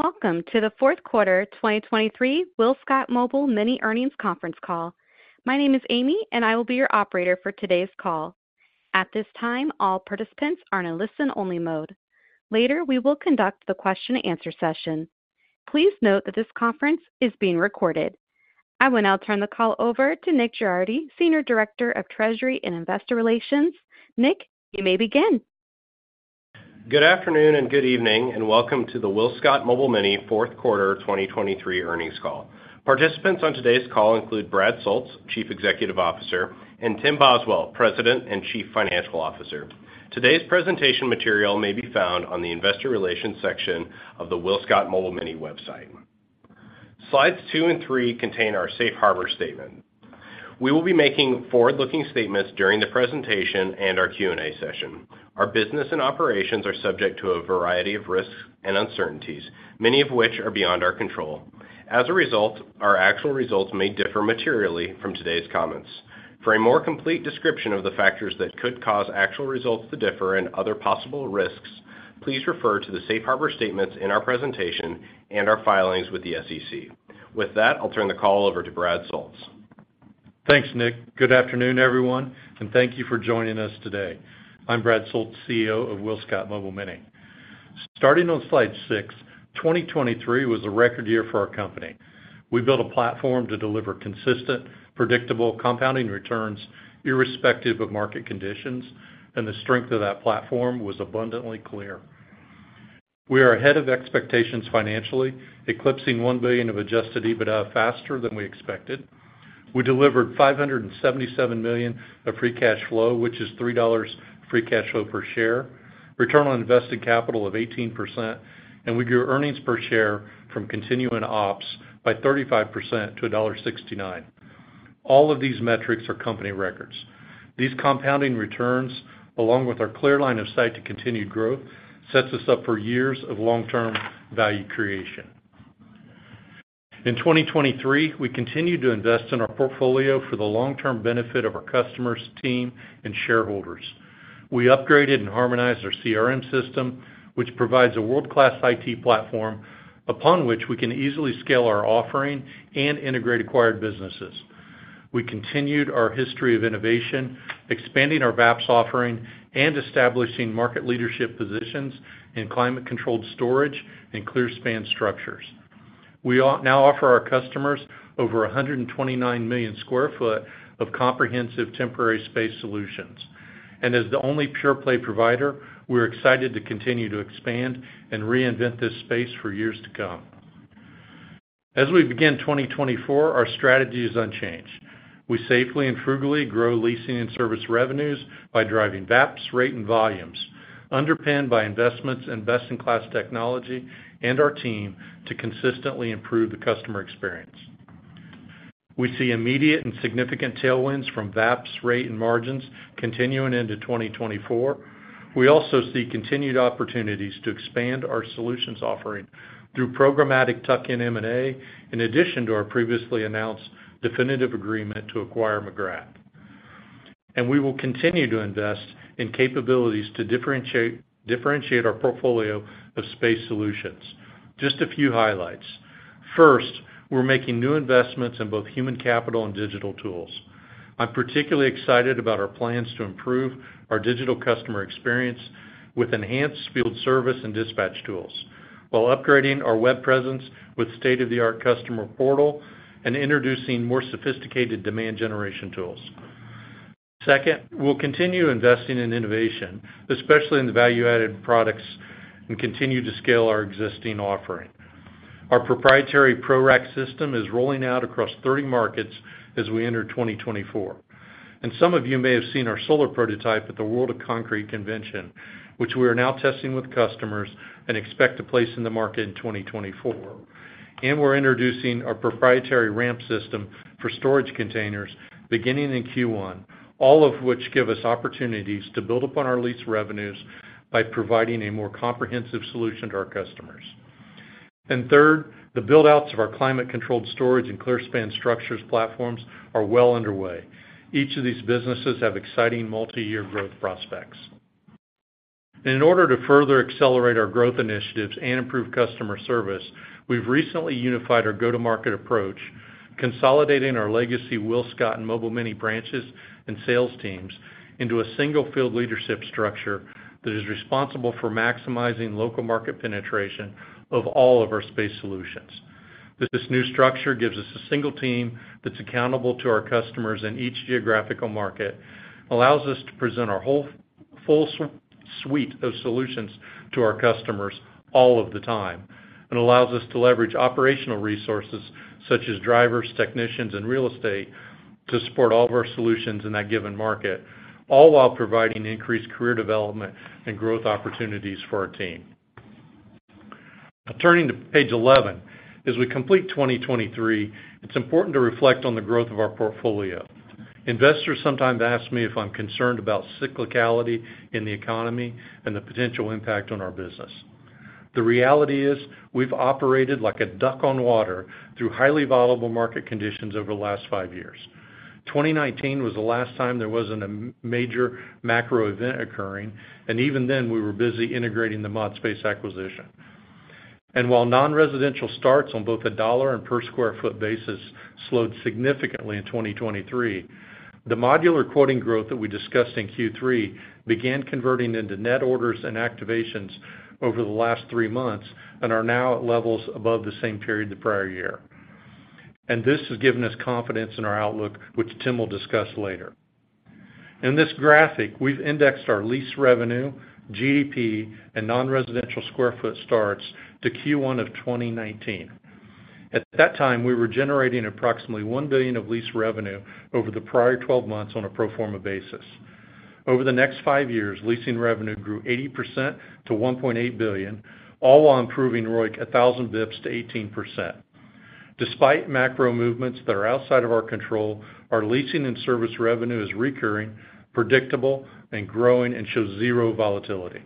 Welcome to the fourth quarter 2023 WillScot Mobile Mini Earnings Conference Call. My name is Amy, and I will be your operator for today's call. At this time, all participants are in a listen-only mode. Later, we will conduct the question-and-answer session. Please note that this conference is being recorded. I will now turn the call over to Nick Girardi, Senior Director of Treasury and Investor Relations. Nick, you may begin. Good afternoon, and good evening, and welcome to the WillScot Mobile Mini fourth quarter 2023 earnings call. Participants on today's call include Brad Soultz, Chief Executive Officer, and Tim Boswell, President and Chief Financial Officer. Today's presentation material may be found on the Investor Relations section of the WillScot Mobile Mini website. Slides 2 and 3 contain our safe harbor statement. We will be making forward-looking statements during the presentation and our Q&A session. Our business and operations are subject to a variety of risks and uncertainties, many of which are beyond our control. As a result, our actual results may differ materially from today's comments. For a more complete description of the factors that could cause actual results to differ and other possible risks, please refer to the safe harbor statements in our presentation and our filings with the SEC. With that, I'll turn the call over to Brad Soultz. Thanks, Nick. Good afternoon, everyone, and thank you for joining us today. I'm Brad Soultz, CEO of WillScot Mobile Mini. Starting on slide 6, 2023 was a record year for our company. We built a platform to deliver consistent, predictable, compounding returns, irrespective of market conditions, and the strength of that platform was abundantly clear. We are ahead of expectations financially, eclipsing $1 billion of Adjusted EBITDA faster than we expected. We delivered $577 million of free cash flow, which is $3 free cash flow per share, return on invested capital of 18%, and we grew earnings per share from continuing ops by 35% to $1.69. All of these metrics are company records. These compounding returns, along with our clear line of sight to continued growth, sets us up for years of long-term value creation. In 2023, we continued to invest in our portfolio for the long-term benefit of our customers, team, and shareholders. We upgraded and harmonized our CRM system, which provides a world-class IT platform upon which we can easily scale our offering and integrate acquired businesses. We continued our history of innovation, expanding our VAPS offering and establishing market leadership positions in climate-controlled storage and ClearSpan structures. We now offer our customers over 129 million sq ft of comprehensive temporary space solutions. And as the only pure play provider, we're excited to continue to expand and reinvent this space for years to come. As we begin 2024, our strategy is unchanged. We safely and frugally grow leasing and service revenues by driving VAPS, rate, and volumes, underpinned by investments in best-in-class technology and our team to consistently improve the customer experience. We see immediate and significant tailwinds from VAPS, rate, and margins continuing into 2024. We also see continued opportunities to expand our solutions offering through programmatic tuck-in M&A, in addition to our previously announced definitive agreement to acquire McGrath. And we will continue to invest in capabilities to differentiate, differentiate our portfolio of space solutions. Just a few highlights. First, we're making new investments in both human capital and digital tools. I'm particularly excited about our plans to improve our digital customer experience with enhanced field service and dispatch tools, while upgrading our web presence with state-of-the-art customer portal and introducing more sophisticated demand generation tools. Second, we'll continue investing in innovation, especially in the value-added products, and continue to scale our existing offering. Our proprietary ProRack system is rolling out across 30 markets as we enter 2024. Some of you may have seen our solar prototype at the World of Concrete Convention, which we are now testing with customers and expect to place in the market in 2024. We're introducing our proprietary ramp system for storage containers beginning in Q1, all of which give us opportunities to build upon our lease revenues by providing a more comprehensive solution to our customers. Third, the build-outs of our climate-controlled storage and clearspan structures platforms are well underway. Each of these businesses have exciting multi-year growth prospects. In order to further accelerate our growth initiatives and improve customer service, we've recently unified our go-to-market approach, consolidating our legacy WillScot and Mobile Mini branches and sales teams into a single field leadership structure that is responsible for maximizing local market penetration of all of our space solutions. This new structure gives us a single team that's accountable to our customers in each geographical market, allows us to present our full suite of solutions to our customers all of the time, and allows us to leverage operational resources such as drivers, technicians, and real estate to support all of our solutions in that given market, all while providing increased career development and growth opportunities for our team. Turning to page 11. As we complete 2023, it's important to reflect on the growth of our portfolio. Investors sometimes ask me if I'm concerned about cyclicality in the economy and the potential impact on our business. The reality is, we've operated like a duck on water through highly volatile market conditions over the last five years... 2019 was the last time there wasn't a major macro event occurring, and even then, we were busy integrating the ModSpace acquisition. And while non-residential starts on both the dollar and per sq ft basis slowed significantly in 2023, the modular quoting growth that we discussed in Q3 began converting into net orders and activations over the last three months and are now at levels above the same period the prior year. And this has given us confidence in our outlook, which Tim will discuss later. In this graphic, we've indexed our lease revenue, GDP, and non-residential sq ft starts to Q1 of 2019. At that time, we were generating approximately $1 billion of lease revenue over the prior 12 months on a pro forma basis. Over the next 5 years, leasing revenue grew 80% to $1.8 billion, all while improving ROIC 1,000 basis points to 18%. Despite macro movements that are outside of our control, our leasing and service revenue is recurring, predictable, and growing, and shows zero volatility.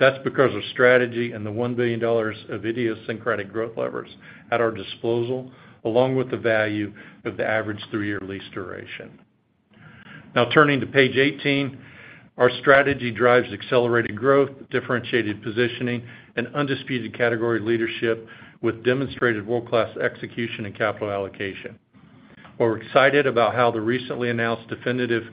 That's because of strategy and the $1 billion of idiosyncratic growth levers at our disposal, along with the value of the average 3-year lease duration. Now turning to page 18, our strategy drives accelerated growth, differentiated positioning, and undisputed category leadership, with demonstrated world-class execution and capital allocation. We're excited about how the recently announced definitive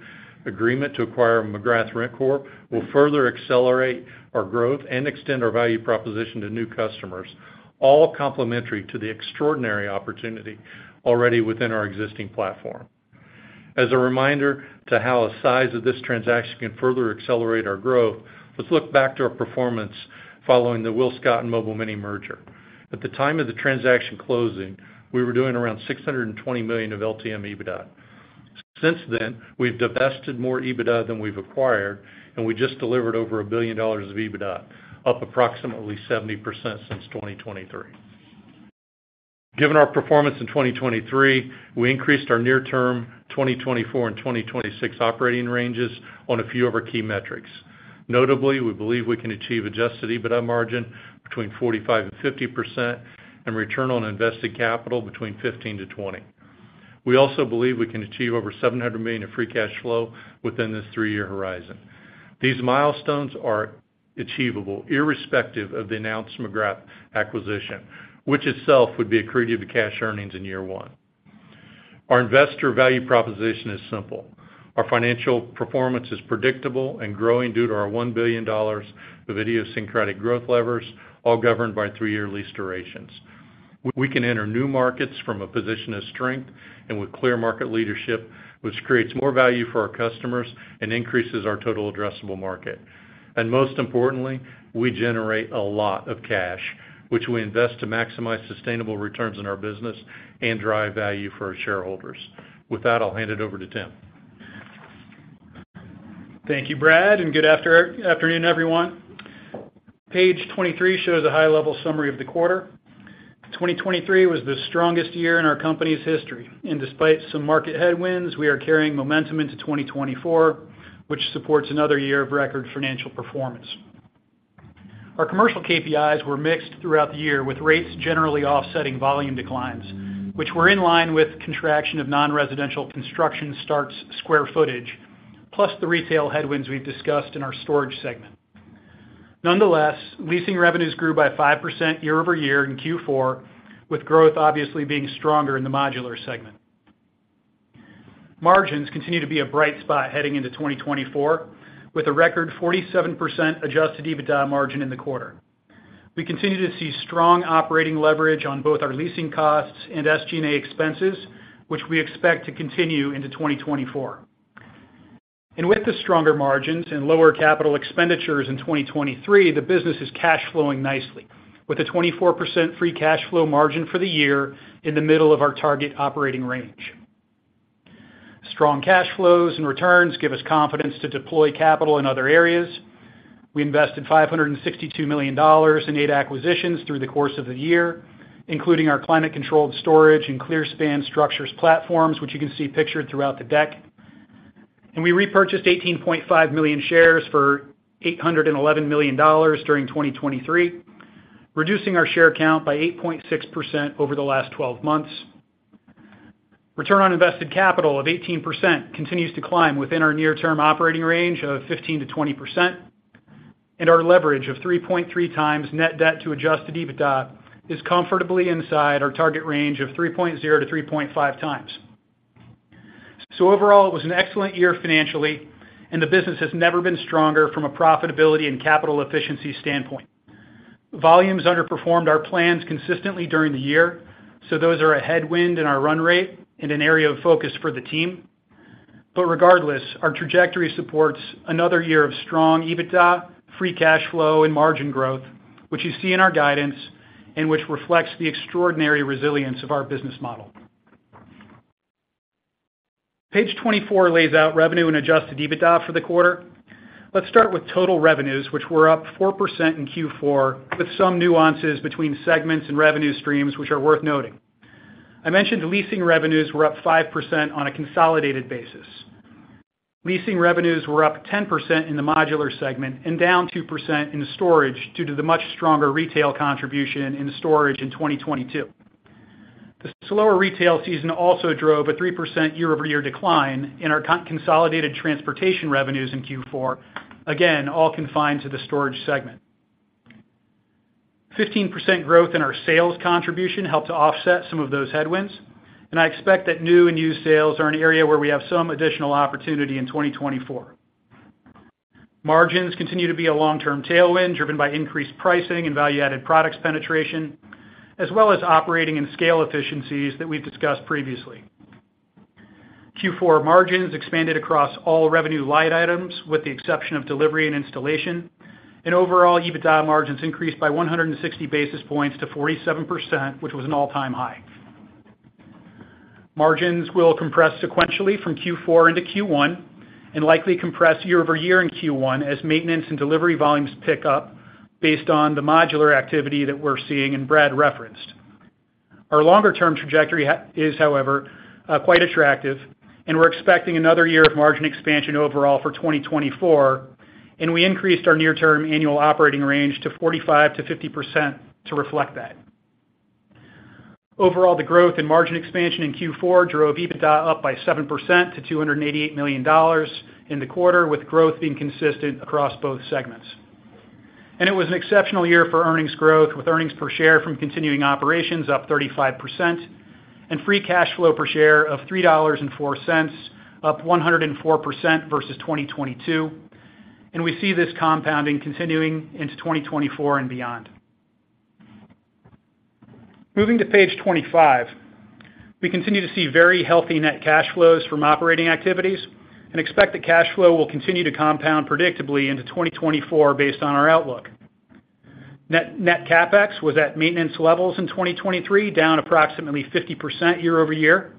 agreement to acquire McGrath RentCorp will further accelerate our growth and extend our value proposition to new customers, all complementary to the extraordinary opportunity already within our existing platform. As a reminder to how the size of this transaction can further accelerate our growth, let's look back to our performance following the WillScot and Mobile Mini merger. At the time of the transaction closing, we were doing around $620 million of LTM EBITDA. Since then, we've divested more EBITDA than we've acquired, and we just delivered over $1 billion of EBITDA, up approximately 70% since 2023. Given our performance in 2023, we increased our near-term 2024 and 2026 operating ranges on a few of our key metrics. Notably, we believe we can achieve Adjusted EBITDA margin between 45% and 50% and return on invested capital between 15 to 20. We also believe we can achieve over $700 million in free cash flow within this three-year horizon. These milestones are achievable, irrespective of the announced McGrath acquisition, which itself would be accretive to cash earnings in year one. Our investor value proposition is simple. Our financial performance is predictable and growing due to our $1 billion of idiosyncratic growth levers, all governed by three-year lease durations. We can enter new markets from a position of strength and with clear market leadership, which creates more value for our customers and increases our total addressable market. And most importantly, we generate a lot of cash, which we invest to maximize sustainable returns in our business and drive value for our shareholders. With that, I'll hand it over to Tim. Thank you, Brad, and good afternoon, everyone. Page 23 shows a high-level summary of the quarter. 2023 was the strongest year in our company's history, and despite some market headwinds, we are carrying momentum into 2024, which supports another year of record financial performance. Our commercial KPIs were mixed throughout the year, with rates generally offsetting volume declines, which were in line with contraction of non-residential construction starts square footage, plus the retail headwinds we've discussed in our storage segment. Nonetheless, leasing revenues grew by 5% year-over-year in Q4, with growth obviously being stronger in the modular segment. Margins continue to be a bright spot heading into 2024, with a record 47% adjusted EBITDA margin in the quarter. We continue to see strong operating leverage on both our leasing costs and SG&A expenses, which we expect to continue into 2024. With the stronger margins and lower capital expenditures in 2023, the business is cash flowing nicely, with a 24% free cash flow margin for the year in the middle of our target operating range. Strong cash flows and returns give us confidence to deploy capital in other areas. We invested $562 million in 8 acquisitions through the course of the year, including our climate-controlled storage and clearspan structures platforms, which you can see pictured throughout the deck. We repurchased 18.5 million shares for $811 million during 2023, reducing our share count by 8.6% over the last twelve months. Return on invested capital of 18% continues to climb within our near-term operating range of 15%-20%, and our leverage of 3.3x net debt to Adjusted EBITDA is comfortably inside our target range of 3.0x-3.5x. So overall, it was an excellent year financially, and the business has never been stronger from a profitability and capital efficiency standpoint. Volumes underperformed our plans consistently during the year, so those are a headwind in our run rate and an area of focus for the team. But regardless, our trajectory supports another year of strong EBITDA, Free Cash Flow, and margin growth, which you see in our guidance and which reflects the extraordinary resilience of our business model. Page 24 lays out revenue and Adjusted EBITDA for the quarter. Let's start with total revenues, which were up 4% in Q4, with some nuances between segments and revenue streams, which are worth noting. I mentioned leasing revenues were up 5% on a consolidated basis. Leasing revenues were up 10% in the modular segment and down 2% in storage due to the much stronger retail contribution in storage in 2022. The slower retail season also drove a 3% year-over-year decline in our consolidated transportation revenues in Q4, again, all confined to the storage segment. 15% growth in our sales contribution helped to offset some of those headwinds, and I expect that new and used sales are an area where we have some additional opportunity in 2024. Margins continue to be a long-term tailwind, driven by increased pricing and value-added products penetration, as well as operating and scale efficiencies that we've discussed previously. Q4 margins expanded across all revenue line items, with the exception of delivery and installation, and overall, EBITDA margins increased by 160 basis points to 47%, which was an all-time high. Margins will compress sequentially from Q4 into Q1, and likely compress year-over-year in Q1 as maintenance and delivery volumes pick up based on the modular activity that we're seeing and Brad referenced. Our longer-term trajectory is, however, quite attractive, and we're expecting another year of margin expansion overall for 2024, and we increased our near-term annual operating range to 45%-50% to reflect that. Overall, the growth in margin expansion in Q4 drove EBITDA up by 7% to $288 million in the quarter, with growth being consistent across both segments. It was an exceptional year for earnings growth, with earnings per share from continuing operations up 35% and free cash flow per share of $3.04, up 104% versus 2022, and we see this compounding continuing into 2024 and beyond. Moving to page 25. We continue to see very healthy net cash flows from operating activities and expect that cash flow will continue to compound predictably into 2024 based on our outlook. Net CapEx was at maintenance levels in 2023, down approximately 50% year-over-year.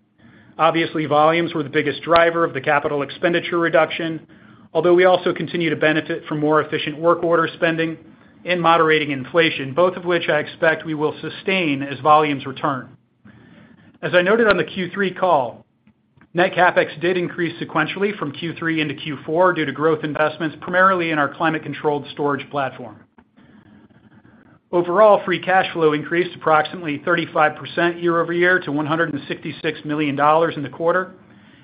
Obviously, volumes were the biggest driver of the capital expenditure reduction, although we also continue to benefit from more efficient work order spending and moderating inflation, both of which I expect we will sustain as volumes return. As I noted on the Q3 call, Net CapEx did increase sequentially from Q3 into Q4 due to growth investments, primarily in our climate-controlled storage platform. Overall, free cash flow increased approximately 35% year-over-year to $166 million in the quarter,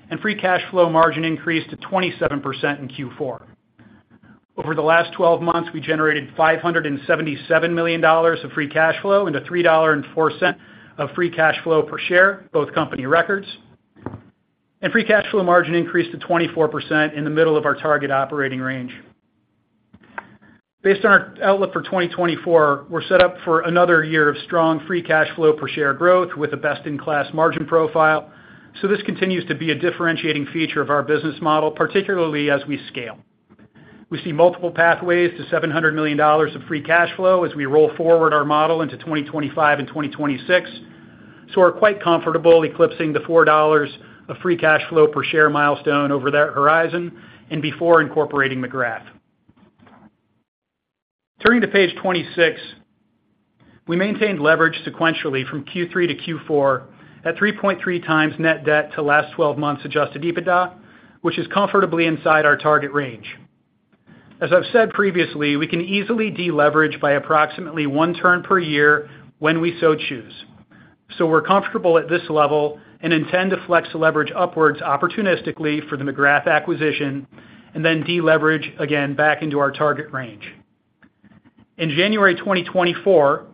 and free cash flow margin increased to 27% in Q4. Over the last twelve months, we generated $577 million of free cash flow to $3.04 of free cash flow per share, both company records. Free cash flow margin increased to 24% in the middle of our target operating range. Based on our outlook for 2024, we're set up for another year of strong free cash flow per share growth with a best-in-class margin profile. So this continues to be a differentiating feature of our business model, particularly as we scale. We see multiple pathways to $700 million of free cash flow as we roll forward our model into 2025 and 2026, so we're quite comfortable eclipsing the $4 of free cash flow per share milestone over that horizon and before incorporating McGrath. Turning to page 26, we maintained leverage sequentially from Q3 to Q4 at 3.3 times net debt to last twelve months Adjusted EBITDA, which is comfortably inside our target range. As I've said previously, we can easily deleverage by approximately one turn per year when we so choose. So we're comfortable at this level and intend to flex the leverage upwards opportunistically for the McGrath acquisition and then deleverage again back into our target range. In January 2024,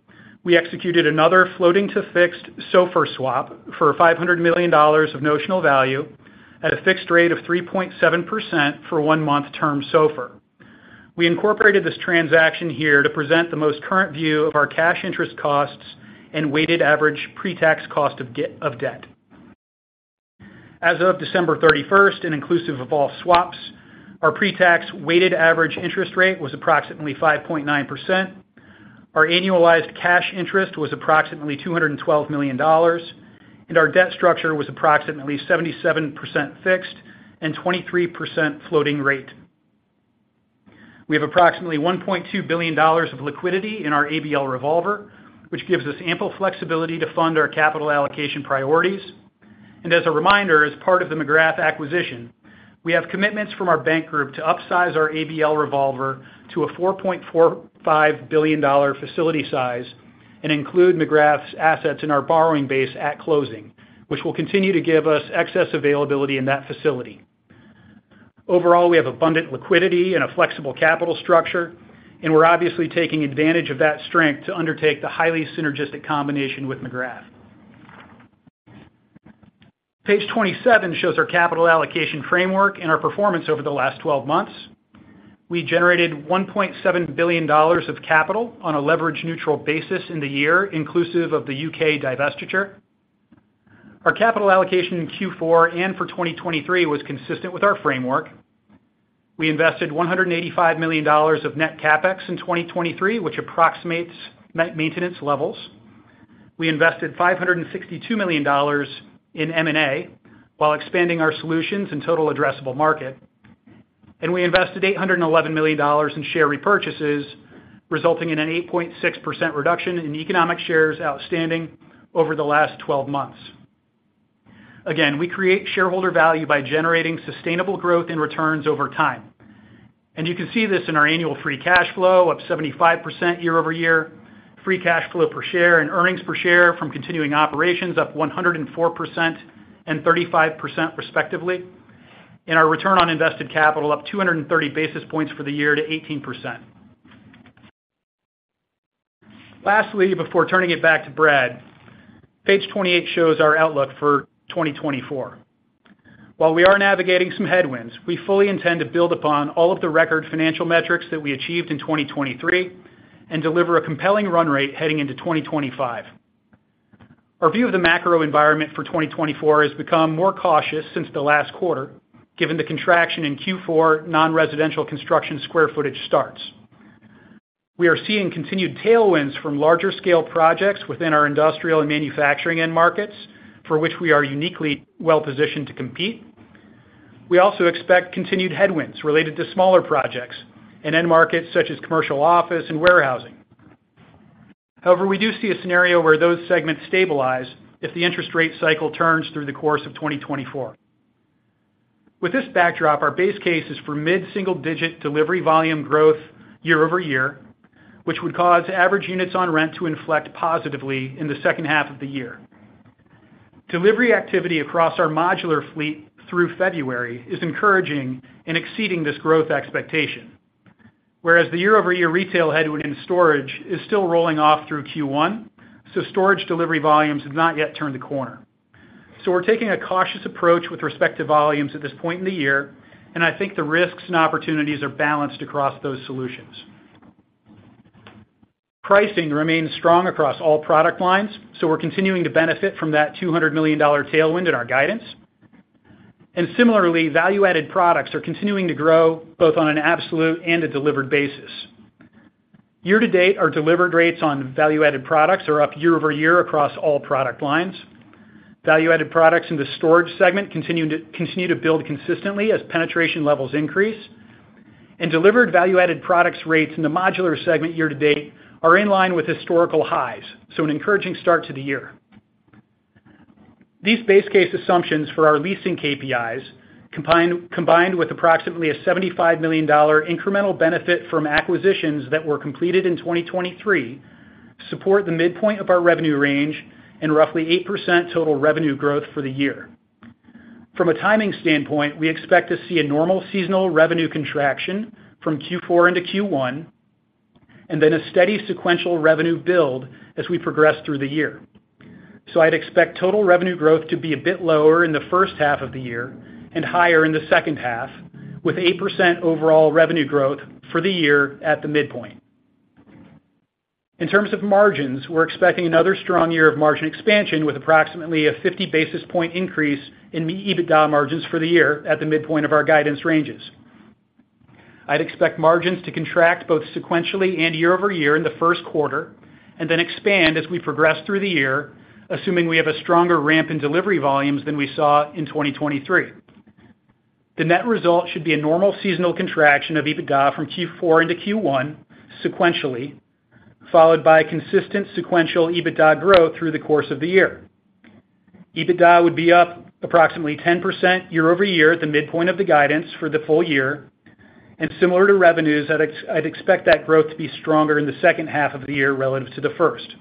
we executed another floating-to-fixed SOFR swap for $500 million of notional value at a fixed rate of 3.7% for one-month term SOFR. We incorporated this transaction here to present the most current view of our cash interest costs and weighted average pre-tax cost of debt. As of December 31st, and inclusive of all swaps, our pre-tax weighted average interest rate was approximately 5.9%. Our annualized cash interest was approximately $212 million, and our debt structure was approximately 77% fixed and 23% floating rate. We have approximately $1.2 billion of liquidity in our ABL revolver, which gives us ample flexibility to fund our capital allocation priorities. As a reminder, as part of the McGrath acquisition, we have commitments from our bank group to upsize our ABL revolver to a $4.45 billion facility size and include McGrath's assets in our borrowing base at closing, which will continue to give us excess availability in that facility. Overall, we have abundant liquidity and a flexible capital structure, and we're obviously taking advantage of that strength to undertake the highly synergistic combination with McGrath. Page 27 shows our capital allocation framework and our performance over the last twelve months. We generated $1.7 billion of capital on a leverage-neutral basis in the year, inclusive of the UK divestiture. Our capital allocation in Q4 and for 2023 was consistent with our framework. We invested $185 million of net CapEx in 2023, which approximates maintenance levels. We invested $562 million in M&A while expanding our solutions in total addressable market, and we invested $811 million in share repurchases, resulting in an 8.6% reduction in economic shares outstanding over the last twelve months. Again, we create shareholder value by generating sustainable growth in returns over time, and you can see this in our annual free cash flow, up 75% year-over-year. Free cash flow per share and earnings per share from continuing operations up 104% and 35% respectively, and our return on invested capital up 230 basis points for the year to 18%. Lastly, before turning it back to Brad, page 28 shows our outlook for 2024. While we are navigating some headwinds, we fully intend to build upon all of the record financial metrics that we achieved in 2023 and deliver a compelling run rate heading into 2025. Our view of the macro environment for 2024 has become more cautious since the last quarter, given the contraction in Q4, non-residential construction square footage starts. We are seeing continued tailwinds from larger scale projects within our industrial and manufacturing end markets, for which we are uniquely well-positioned to compete. We also expect continued headwinds related to smaller projects in end markets such as commercial office and warehousing. However, we do see a scenario where those segments stabilize if the interest rate cycle turns through the course of 2024. With this backdrop, our base case is for mid-single-digit delivery volume growth year-over-year, which would cause average units on rent to inflect positively in the second half of the year. Delivery activity across our modular fleet through February is encouraging and exceeding this growth expectation, whereas the year-over-year retail headwind in storage is still rolling off through Q1, so storage delivery volumes have not yet turned the corner. So we're taking a cautious approach with respect to volumes at this point in the year, and I think the risks and opportunities are balanced across those solutions. Pricing remains strong across all product lines, so we're continuing to benefit from that $200 million tailwind in our guidance. And similarly, value-added products are continuing to grow both on an absolute and a delivered basis. Year to date, our delivered rates on value-added products are up year-over-year across all product lines. Value-added products in the storage segment continue to build consistently as penetration levels increase, and delivered value-added products rates in the modular segment year to date are in line with historical highs, so an encouraging start to the year. These base case assumptions for our leasing KPIs, combined with approximately a $75 million incremental benefit from acquisitions that were completed in 2023, support the midpoint of our revenue range and roughly 8% total revenue growth for the year. From a timing standpoint, we expect to see a normal seasonal revenue contraction from Q4 into Q1, and then a steady sequential revenue build as we progress through the year. So I'd expect total revenue growth to be a bit lower in the first half of the year and higher in the second half, with 8% overall revenue growth for the year at the midpoint. In terms of margins, we're expecting another strong year of margin expansion, with approximately a 50 basis point increase in the EBITDA margins for the year at the midpoint of our guidance ranges. I'd expect margins to contract both sequentially and year-over-year in the first quarter and then expand as we progress through the year, assuming we have a stronger ramp in delivery volumes than we saw in 2023. The net result should be a normal seasonal contraction of EBITDA from Q4 into Q1 sequentially, followed by consistent sequential EBITDA growth through the course of the year. EBITDA would be up approximately 10% year-over-year at the midpoint of the guidance for the full year, and similar to revenues, I'd expect that growth to be stronger in the second half of the year relative to the first.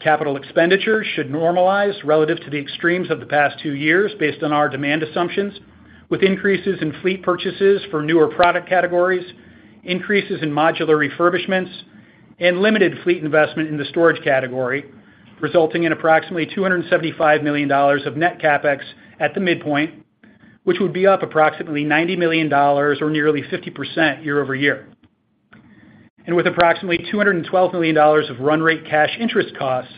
Capital expenditures should normalize relative to the extremes of the past two years based on our demand assumptions, with increases in fleet purchases for newer product categories, increases in modular refurbishments, and limited fleet investment in the storage category, resulting in approximately $275 million of net CapEx at the midpoint, which would be up approximately $90 million or nearly 50% year-over-year. With approximately $212 million of run rate cash interest costs,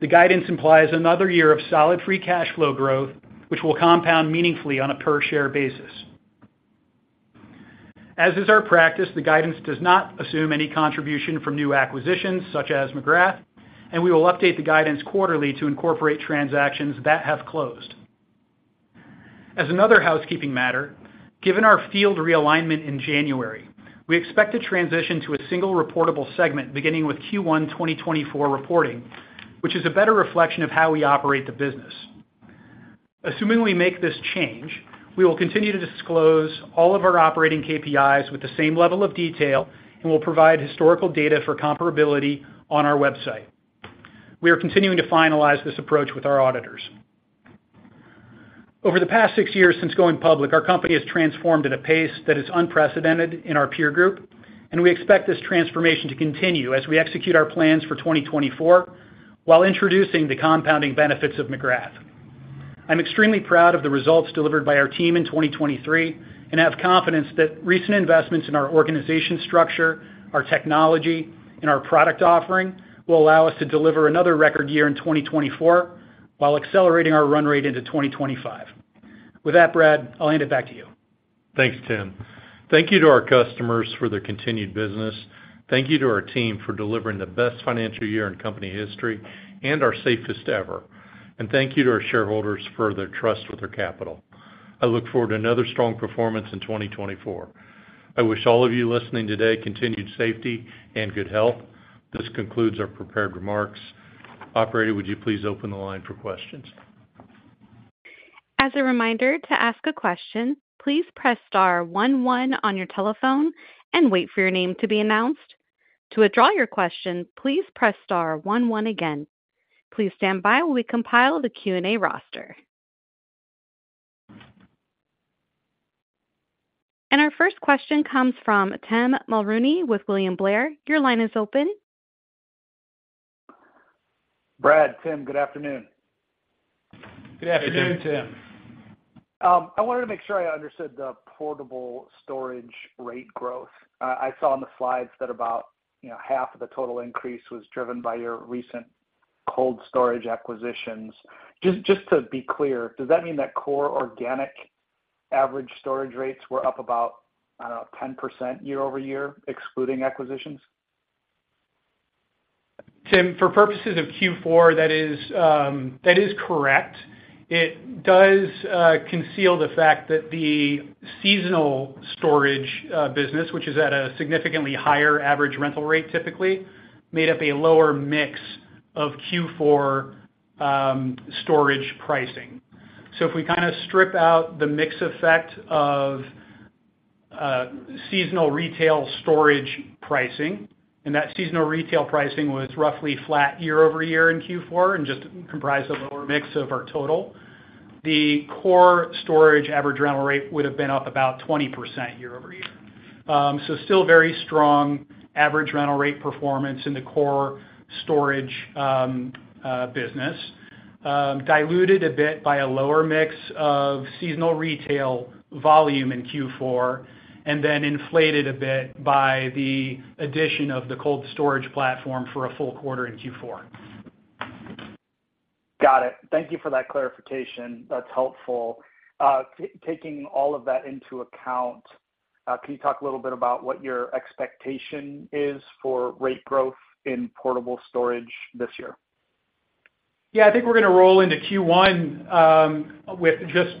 the guidance implies another year of solid free cash flow growth, which will compound meaningfully on a per-share basis. As is our practice, the guidance does not assume any contribution from new acquisitions such as McGrath, and we will update the guidance quarterly to incorporate transactions that have closed. As another housekeeping matter, given our field realignment in January, we expect to transition to a single reportable segment beginning with Q1 2024 reporting, which is a better reflection of how we operate the business. Assuming we make this change, we will continue to disclose all of our operating KPIs with the same level of detail, and we'll provide historical data for comparability on our website. We are continuing to finalize this approach with our auditors. Over the past six years, since going public, our company has transformed at a pace that is unprecedented in our peer group, and we expect this transformation to continue as we execute our plans for 2024 while introducing the compounding benefits of McGrath. I'm extremely proud of the results delivered by our team in 2023 and have confidence that recent investments in our organization structure, our technology, and our product offering will allow us to deliver another record year in 2024 while accelerating our run rate into 2025. With that, Brad, I'll hand it back to you. Thanks, Tim. Thank you to our customers for their continued business. Thank you to our team for delivering the best financial year in company history and our safest ever. Thank you to our shareholders for their trust with their capital.... I look forward to another strong performance in 2024. I wish all of you listening today continued safety and good health. This concludes our prepared remarks. Operator, would you please open the line for questions? As a reminder, to ask a question, please press star one one on your telephone and wait for your name to be announced. To withdraw your question, please press star one one again. Please stand by while we compile the Q&A roster. Our first question comes from Tim Mulrooney with William Blair. Your line is open. Brad, Tim, good afternoon. Good afternoon, Tim. I wanted to make sure I understood the portable storage rate growth. I saw on the slides that about, you know, half of the total increase was driven by your recent cold storage acquisitions. Just, just to be clear, does that mean that core organic average storage rates were up about, I don't know, 10% year-over-year, excluding acquisitions? Tim, for purposes of Q4, that is, that is correct. It does conceal the fact that the seasonal storage business, which is at a significantly higher average rental rate, typically, made up a lower mix of Q4 storage pricing. So if we kind of strip out the mix effect of seasonal retail storage pricing, and that seasonal retail pricing was roughly flat year-over-year in Q4 and just comprised of a lower mix of our total, the core storage average rental rate would have been up about 20% year-over-year. So still very strong average rental rate performance in the core storage business. Diluted a bit by a lower mix of seasonal retail volume in Q4, and then inflated a bit by the addition of the cold storage platform for a full quarter in Q4. Got it. Thank you for that clarification. That's helpful. Taking all of that into account, can you talk a little bit about what your expectation is for rate growth in portable storage this year? Yeah, I think we're going to roll into Q1 with just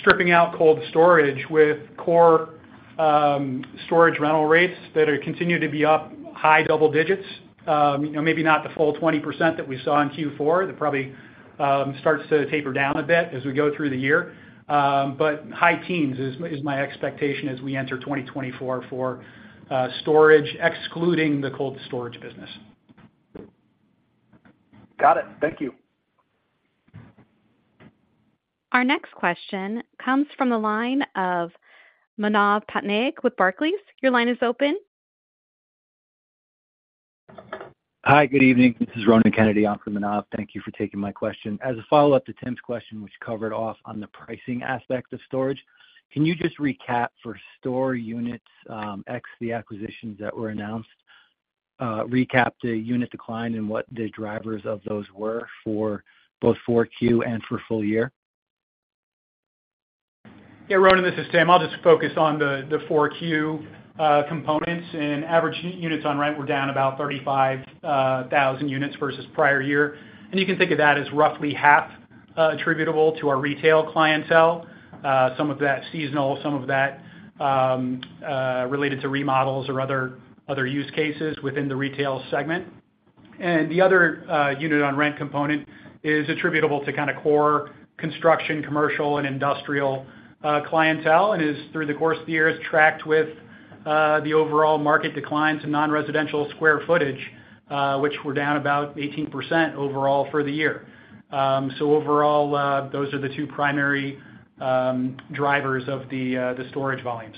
stripping out cold storage with core storage rental rates that are continued to be up high double digits. You know, maybe not the full 20% that we saw in Q4. That probably starts to taper down a bit as we go through the year. But high teens is my expectation as we enter 2024 for storage, excluding the cold storage business. Got it. Thank you. Our next question comes from the line of Manav Patnaik with Barclays. Your line is open. Hi, good evening. This is Ronan Kennedy on for Manav. Thank you for taking my question. As a follow-up to Tim's question, which covered off on the pricing aspect of storage, can you just recap for store units ex the acquisitions that were announced, recap the unit decline and what the drivers of those were for both 4Q and for full year? Yeah, Ronan, this is Tim. I'll just focus on the 4Q components and average units on rent were down about 35,000 units versus prior year. And you can think of that as roughly half attributable to our retail clientele. Some of that seasonal, some of that related to remodels or other use cases within the retail segment. And the other unit on rent component is attributable to kind of core construction, commercial, and industrial clientele, and is through the course of the year tracked with the overall market declines in non-residential square footage, which were down about 18% overall for the year. So overall, those are the two primary drivers of the storage volumes.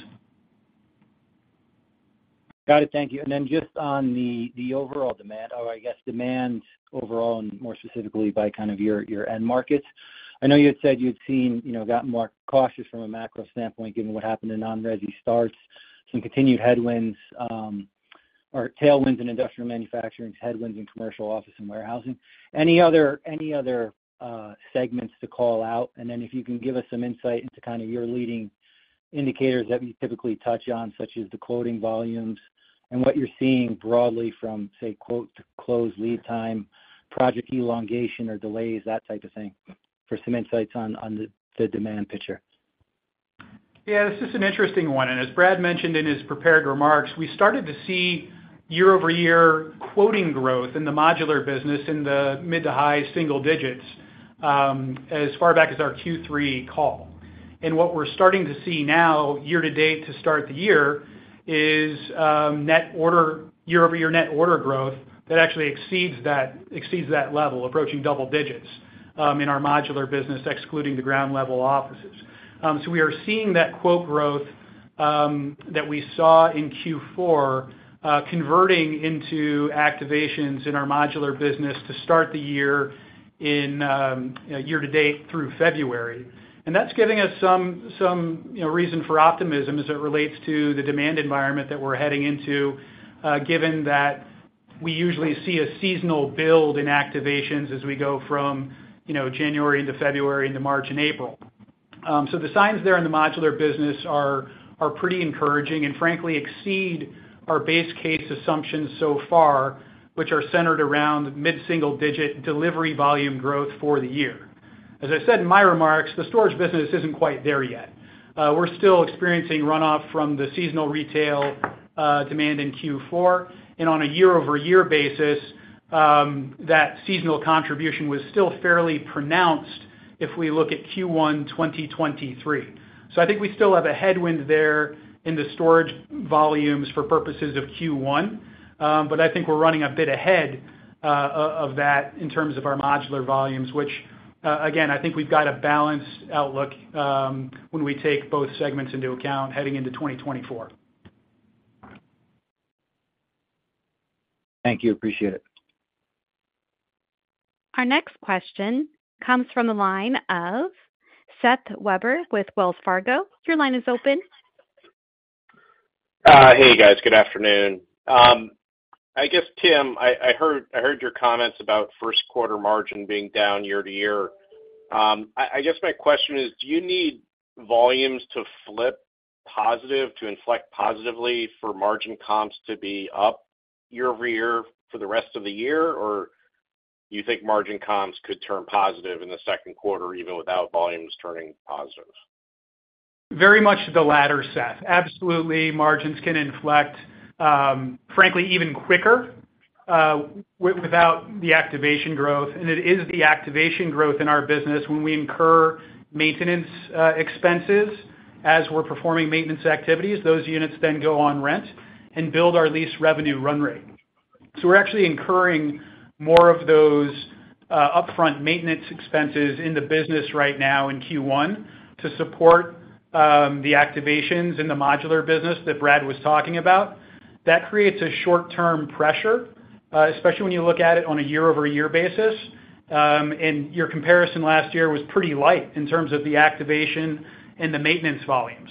Got it. Thank you. And then just on the overall demand, or I guess, demand overall and more specifically by kind of your end markets. I know you had said you'd seen, you know, gotten more cautious from a macro standpoint, given what happened in non-resi starts, some continued headwinds or tailwinds in industrial manufacturing, headwinds in commercial office and warehousing. Any other segments to call out? And then if you can give us some insight into kind of your leading indicators that you typically touch on, such as the quoting volumes and what you're seeing broadly from, say, quote to close lead time, project elongation or delays, that type of thing, for some insights on the demand picture. Yeah, this is an interesting one, and as Brad mentioned in his prepared remarks, we started to see year-over-year quoting growth in the modular business in the mid to high single digits as far back as our Q3 call. And what we're starting to see now, year to date to start the year, is net order-year-over-year net order growth that actually exceeds that, exceeds that level, approaching double digits in our modular business, excluding the ground-level offices. So we are seeing that quote growth that we saw in Q4 converting into activations in our modular business to start the year, you know, year to date through February. That's giving us some you know reason for optimism as it relates to the demand environment that we're heading into given that we usually see a seasonal build in activations as we go from you know January into February into March and April. So the signs there in the modular business are pretty encouraging, and frankly, exceed our base case assumptions so far, which are centered around mid-single digit delivery volume growth for the year. As I said in my remarks, the storage business isn't quite there yet. We're still experiencing runoff from the seasonal retail demand in Q4. And on a year-over-year basis, that seasonal contribution was still fairly pronounced if we look at Q1 2023. So I think we still have a headwind there in the storage volumes for purposes of Q1, but I think we're running a bit ahead of that in terms of our modular volumes, which again, I think we've got a balanced outlook when we take both segments into account, heading into 2024. Thank you. Appreciate it. Our next question comes from the line of Seth Weber with Wells Fargo. Your line is open. Hey, guys, good afternoon. I guess, Tim, I heard your comments about first quarter margin being down year-over-year. I guess my question is, do you need volumes to flip positive, to inflect positively for margin comps to be up year-over-year for the rest of the year? Or do you think margin comps could turn positive in the second quarter, even without volumes turning positive? Very much the latter, Seth. Absolutely, margins can inflect, frankly, even quicker, without the activation growth. And it is the activation growth in our business when we incur maintenance expenses as we're performing maintenance activities. Those units then go on rent and build our lease revenue run rate. So we're actually incurring more of those upfront maintenance expenses in the business right now in Q1 to support the activations in the modular business that Brad was talking about. That creates a short-term pressure, especially when you look at it on a year-over-year basis. And your comparison last year was pretty light in terms of the activation and the maintenance volumes.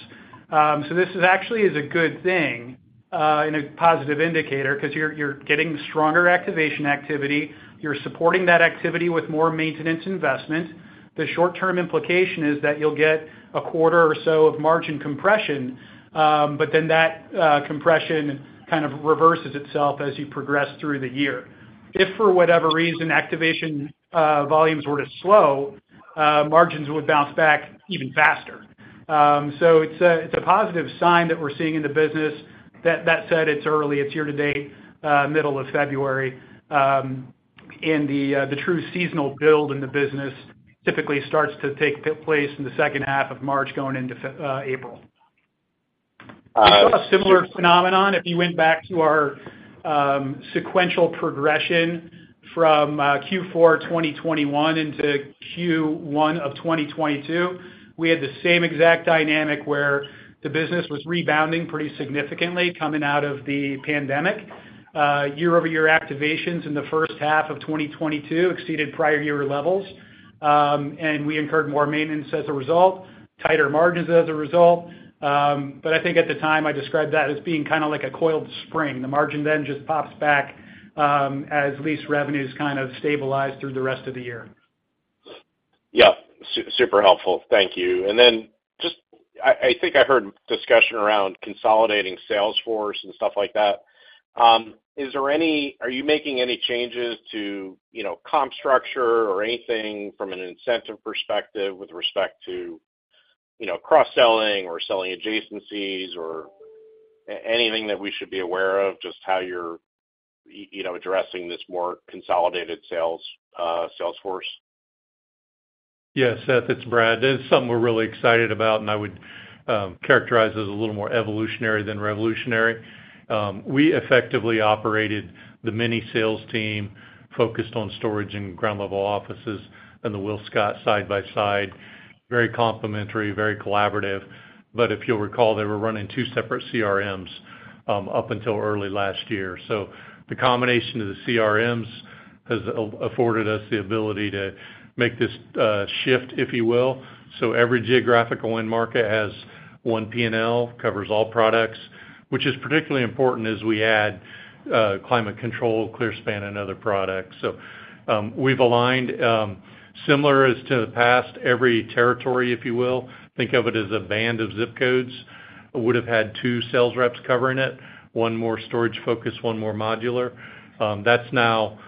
So this is actually a good thing, and a positive indicator because you're getting stronger activation activity. You're supporting that activity with more maintenance investment. The short-term implication is that you'll get a quarter or so of margin compression, but then that, compression kind of reverses itself as you progress through the year. If, for whatever reason, activation, volumes were to slow, margins would bounce back even faster. So it's a, it's a positive sign that we're seeing in the business. That, that said, it's early, it's year to date, middle of February, and the, the true seasonal build in the business typically starts to take place in the second half of March, going into April. Uh- You saw a similar phenomenon if you went back to our sequential progression from Q4 2021 into Q1 of 2022. We had the same exact dynamic, where the business was rebounding pretty significantly coming out of the pandemic. Year-over-year activations in the first half of 2022 exceeded prior year levels, and we incurred more maintenance as a result, tighter margins as a result. But I think at the time, I described that as being kind of like a coiled spring. The margin then just pops back, as lease revenues kind of stabilize through the rest of the year. Yeah, super helpful. Thank you. And then just, I think I heard discussion around consolidating sales force and stuff like that. Is there any—are you making any changes to, you know, comp structure or anything from an incentive perspective with respect to, you know, cross-selling or selling adjacencies, or anything that we should be aware of, just how you're, you know, addressing this more consolidated sales, sales force? Yeah, Seth, it's Brad. This is something we're really excited about, and I would characterize as a little more evolutionary than revolutionary. We effectively operated the Mini sales team focused on storage and ground-level offices and the WillScot side by side, very complementary, very collaborative. But if you'll recall, they were running two separate CRMs up until early last year. So the combination of the CRMs has afforded us the ability to make this shift, if you will. So every geographical end market has one P&L, covers all products, which is particularly important as we add climate control, clear span and other products. So we've aligned similar as to the past, every territory, if you will. Think of it as a band of zip codes, would've had two sales reps covering it, one more storage focused, one more modular. That's now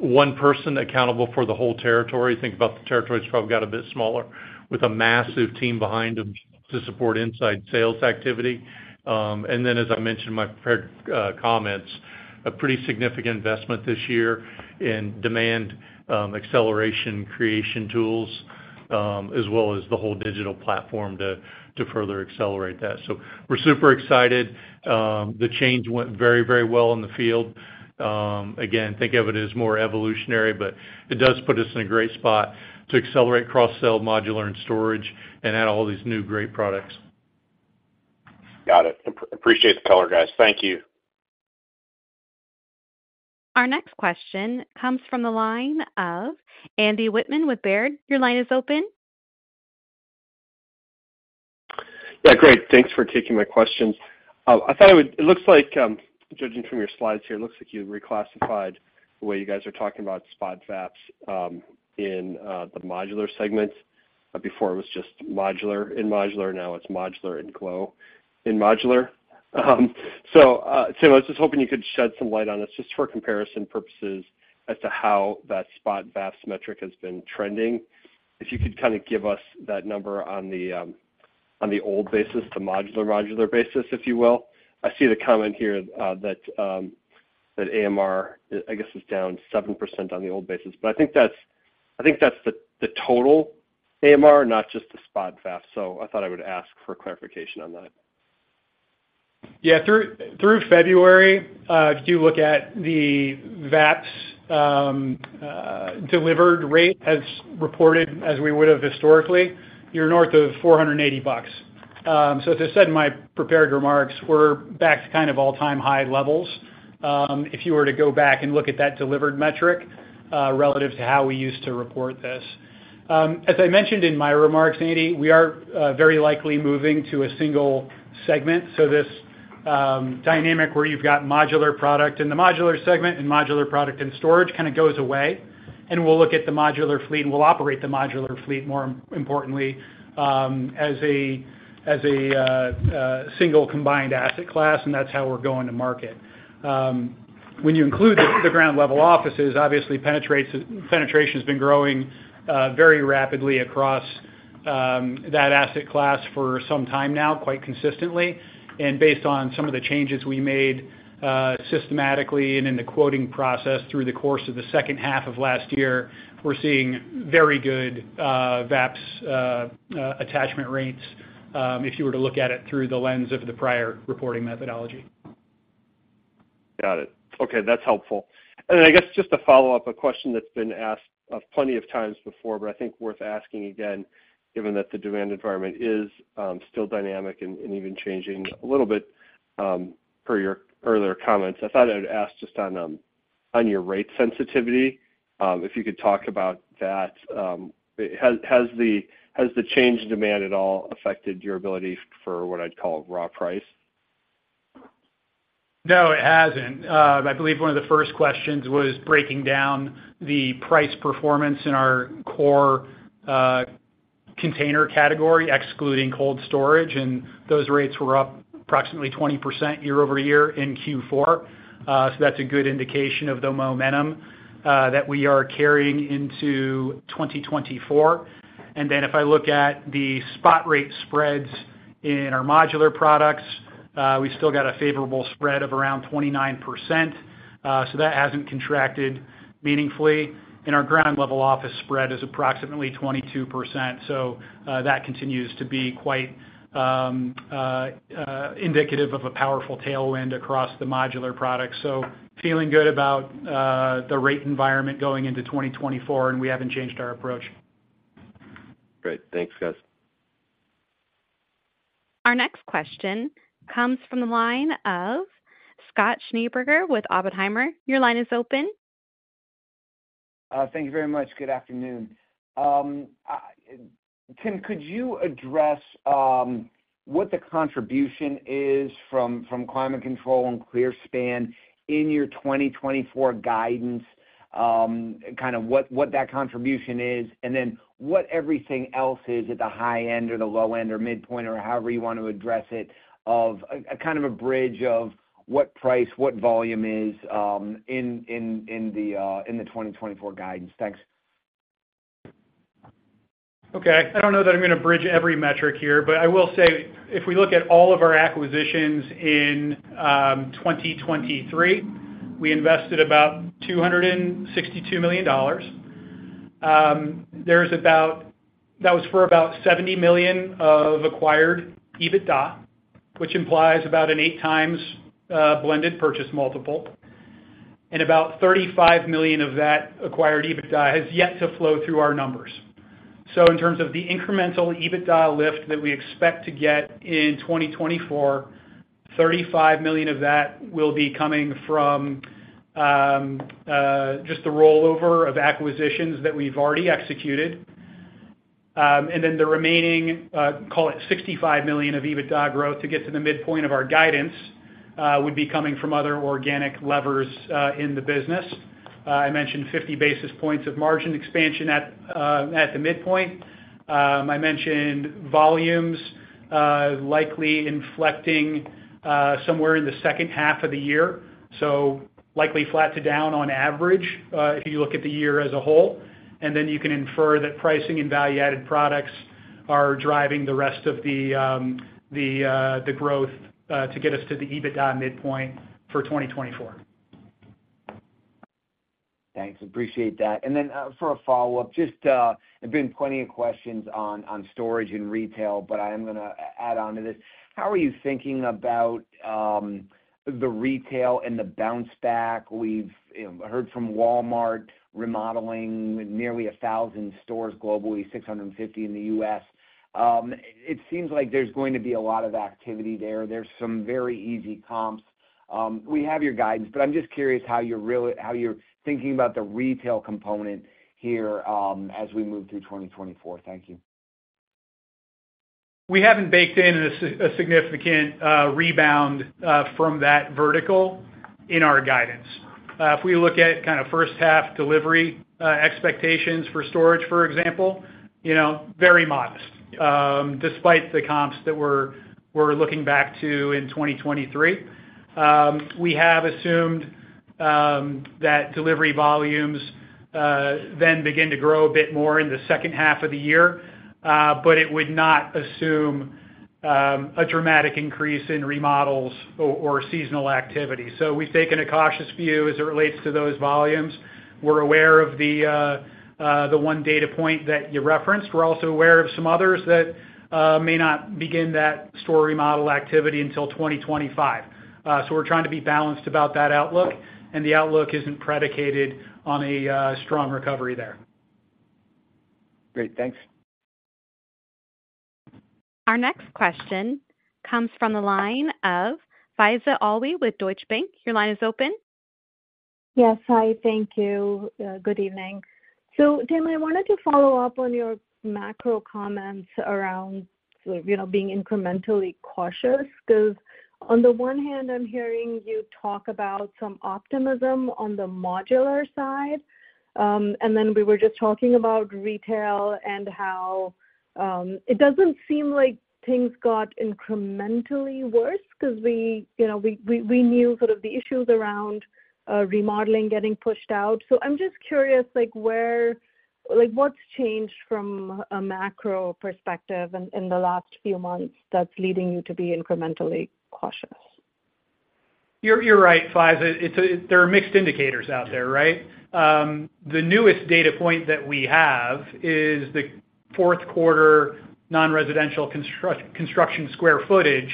one person accountable for the whole territory. Think about the territory's probably got a bit smaller, with a massive team behind them to support inside sales activity. And then, as I mentioned in my prepared comments, a pretty significant investment this year in demand acceleration creation tools, as well as the whole digital platform to further accelerate that. So we're super excited. The change went very, very well in the field. Again, think of it as more evolutionary, but it does put us in a great spot to accelerate cross-sell, modular and storage, and add all these new great products. Got it. Appreciate the color, guys. Thank you. Our next question comes from the line of Andy Wittmann with Baird. Your line is open. Yeah, great. Thanks for taking my questions. It looks like, judging from your slides here, it looks like you've reclassified the way you guys are talking about Spot VAPS in the modular segment. Before it was just modular, in modular, now it's modular and GLO in modular. So I was just hoping you could shed some light on this, just for comparison purposes, as to how that Spot VAPS metric has been trending. If you could kind of give us that number on the old basis to modular, modular basis, if you will. I see the comment here that AMR, I guess, is down 7% on the old basis, but I think that's, I think that's the total AMR, not just the Spot VAPS, so I thought I would ask for clarification on that. Yeah, through February, if you look at the VAPS delivered rate as reported as we would have historically, you're north of $480. So as I said in my prepared remarks, we're back to kind of all-time high levels, if you were to go back and look at that delivered metric relative to how we used to report this. As I mentioned in my remarks, Andy, we are very likely moving to a single segment. So this dynamic, where you've got modular product in the modular segment and modular product in storage, kind of goes away, and we'll look at the modular fleet, and we'll operate the modular fleet, more importantly, as a single combined asset class, and that's how we're going to market. When you include the ground-level offices, obviously, penetration has been growing very rapidly across that asset class for some time now, quite consistently. And based on some of the changes we made systematically and in the quoting process through the course of the second half of last year, we're seeing very good VAPS attachment rates if you were to look at it through the lens of the prior reporting methodology. Got it. Okay, that's helpful. And then, I guess, just to follow up, a question that's been asked plenty of times before, but I think worth asking again, given that the demand environment is still dynamic and even changing a little bit per your earlier comments. I thought I'd ask just on your rate sensitivity, if you could talk about that. Has the change in demand at all affected your ability for what I'd call raw price? No, it hasn't. I believe one of the first questions was breaking down the price performance in our core, container category, excluding cold storage, and those rates were up approximately 20% year-over-year in Q4. So that's a good indication of the momentum, that we are carrying into 2024. And then, if I look at the spot rate spreads in our modular products, we've still got a favorable spread of around 29%, so that hasn't contracted meaningfully. And our ground-level office spread is approximately 22%, so, that continues to be quite indicative of a powerful tailwind across the modular products. So feeling good about the rate environment going into 2024, and we haven't changed our approach. Great. Thanks, guys. Our next question comes from the line of Scott Schneeberger with Oppenheimer. Your line is open. Thank you very much. Good afternoon. Tim, could you address what the contribution is from Climate Control and Clearspan in your 2024 guidance, kind of what that contribution is? And then what everything else is at the high end or the low end or midpoint, or however you want to address it, of a kind of a bridge of what price, what volume is in the 2024 guidance? Thanks. Okay. I don't know that I'm going to bridge every metric here, but I will say, if we look at all of our acquisitions in 2023, we invested about $262 million. That was for about $70 million of acquired EBITDA, which implies about an 8x blended purchase multiple, and about $35 million of that acquired EBITDA has yet to flow through our numbers. So in terms of the incremental EBITDA lift that we expect to get in 2024, $35 million of that will be coming from just the rollover of acquisitions that we've already executed. And then the remaining, call it $65 million of EBITDA growth to get to the midpoint of our guidance, would be coming from other organic levers in the business. I mentioned 50 basis points of margin expansion at the midpoint. I mentioned volumes likely inflecting somewhere in the second half of the year, so likely flat to down on average if you look at the year as a whole. And then you can infer that pricing and value-added products are driving the rest of the growth to get us to the EBITDA midpoint for 2024. Thanks, appreciate that. And then, for a follow-up, just, there's been plenty of questions on, on storage and retail, but I am gonna add on to this. How are you thinking about, the retail and the bounce back? We've, you know, heard from Walmart remodeling nearly 1,000 stores globally, 650 in the US. It seems like there's going to be a lot of activity there. There's some very easy comps. We have your guidance, but I'm just curious how you're really thinking about the retail component here, as we move through 2024. Thank you. ... we haven't baked in a significant rebound from that vertical in our guidance. If we look at kind of first half delivery expectations for storage, for example, you know, very modest despite the comps that we're looking back to in 2023. We have assumed that delivery volumes then begin to grow a bit more in the second half of the year, but it would not assume a dramatic increase in remodels or seasonal activity. So we've taken a cautious view as it relates to those volumes. We're aware of the one data point that you referenced. We're also aware of some others that may not begin that store remodel activity until 2025. So we're trying to be balanced about that outlook, and the outlook isn't predicated on a strong recovery there. Great, thanks. Our next question comes from the line of Faiza Alwy with Deutsche Bank. Your line is open. Yes, hi, thank you. Good evening. So then, I wanted to follow up on your macro comments around, you know, being incrementally cautious. 'Cause on the one hand, I'm hearing you talk about some optimism on the modular side. And then we were just talking about retail and how it doesn't seem like things got incrementally worse, 'cause we, you know, we knew sort of the issues around remodeling getting pushed out. So I'm just curious, like, what's changed from a macro perspective in the last few months that's leading you to be incrementally cautious? You're right, Faiza. It's, there are mixed indicators out there, right? The newest data point that we have is the fourth quarter non-residential construction square footage,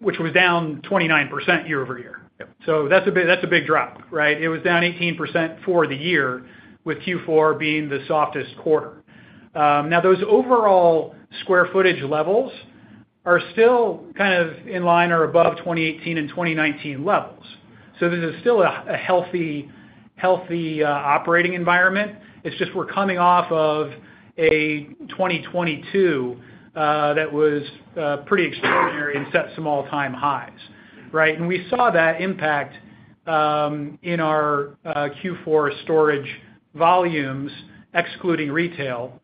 which was down 29% year-over-year. So that's a big, that's a big drop, right? It was down 18% for the year, with Q4 being the softest quarter. Now, those overall square footage levels are still kind of in line or above 2018 and 2019 levels. So this is still a healthy operating environment. It's just we're coming off of a 2022 that was pretty extraordinary and set some all-time highs, right? And we saw that impact in our Q4 storage volumes, excluding retail.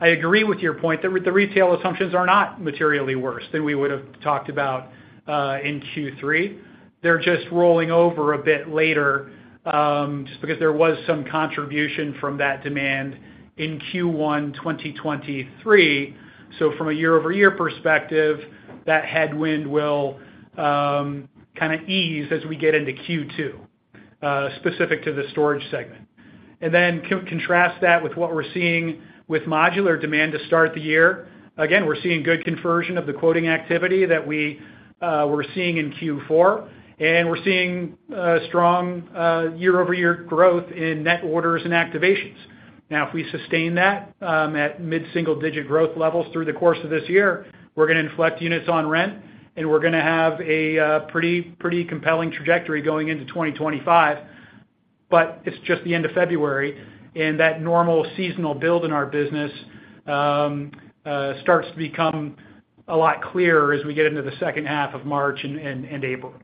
I agree with your point, the retail assumptions are not materially worse than we would have talked about in Q3. They're just rolling over a bit later, just because there was some contribution from that demand in Q1 2023. So from a year-over-year perspective, that headwind will kind of ease as we get into Q2, specific to the storage segment. And then contrast that with what we're seeing with modular demand to start the year. Again, we're seeing good conversion of the quoting activity that we were seeing in Q4, and we're seeing strong year-over-year growth in net orders and activations. Now, if we sustain that at mid-single digit growth levels through the course of this year, we're going to inflect units on rent, and we're going to have a pretty, pretty compelling trajectory going into 2025. But it's just the end of February, and that normal seasonal build in our business starts to become a lot clearer as we get into the second half of March and April.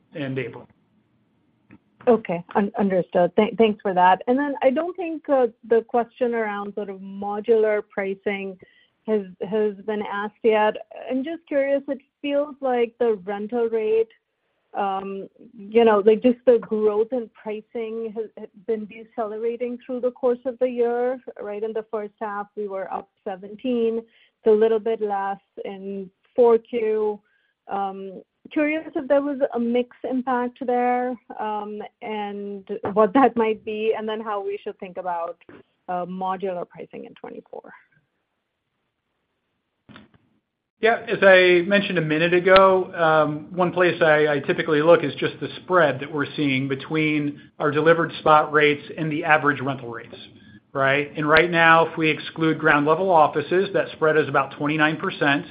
Okay, understood. Thanks for that. And then I don't think the question around sort of modular pricing has been asked yet. I'm just curious, it feels like the rental rate, you know, like, just the growth in pricing has been decelerating through the course of the year. Right in the first half, we were up 17, so a little bit less in 4Q. Curious if there was a mix impact there, and what that might be, and then how we should think about modular pricing in 2024. Yeah, as I mentioned a minute ago, one place I typically look is just the spread that we're seeing between our delivered spot rates and the average rental rates, right? And right now, if we exclude ground-level offices, that spread is about 29%,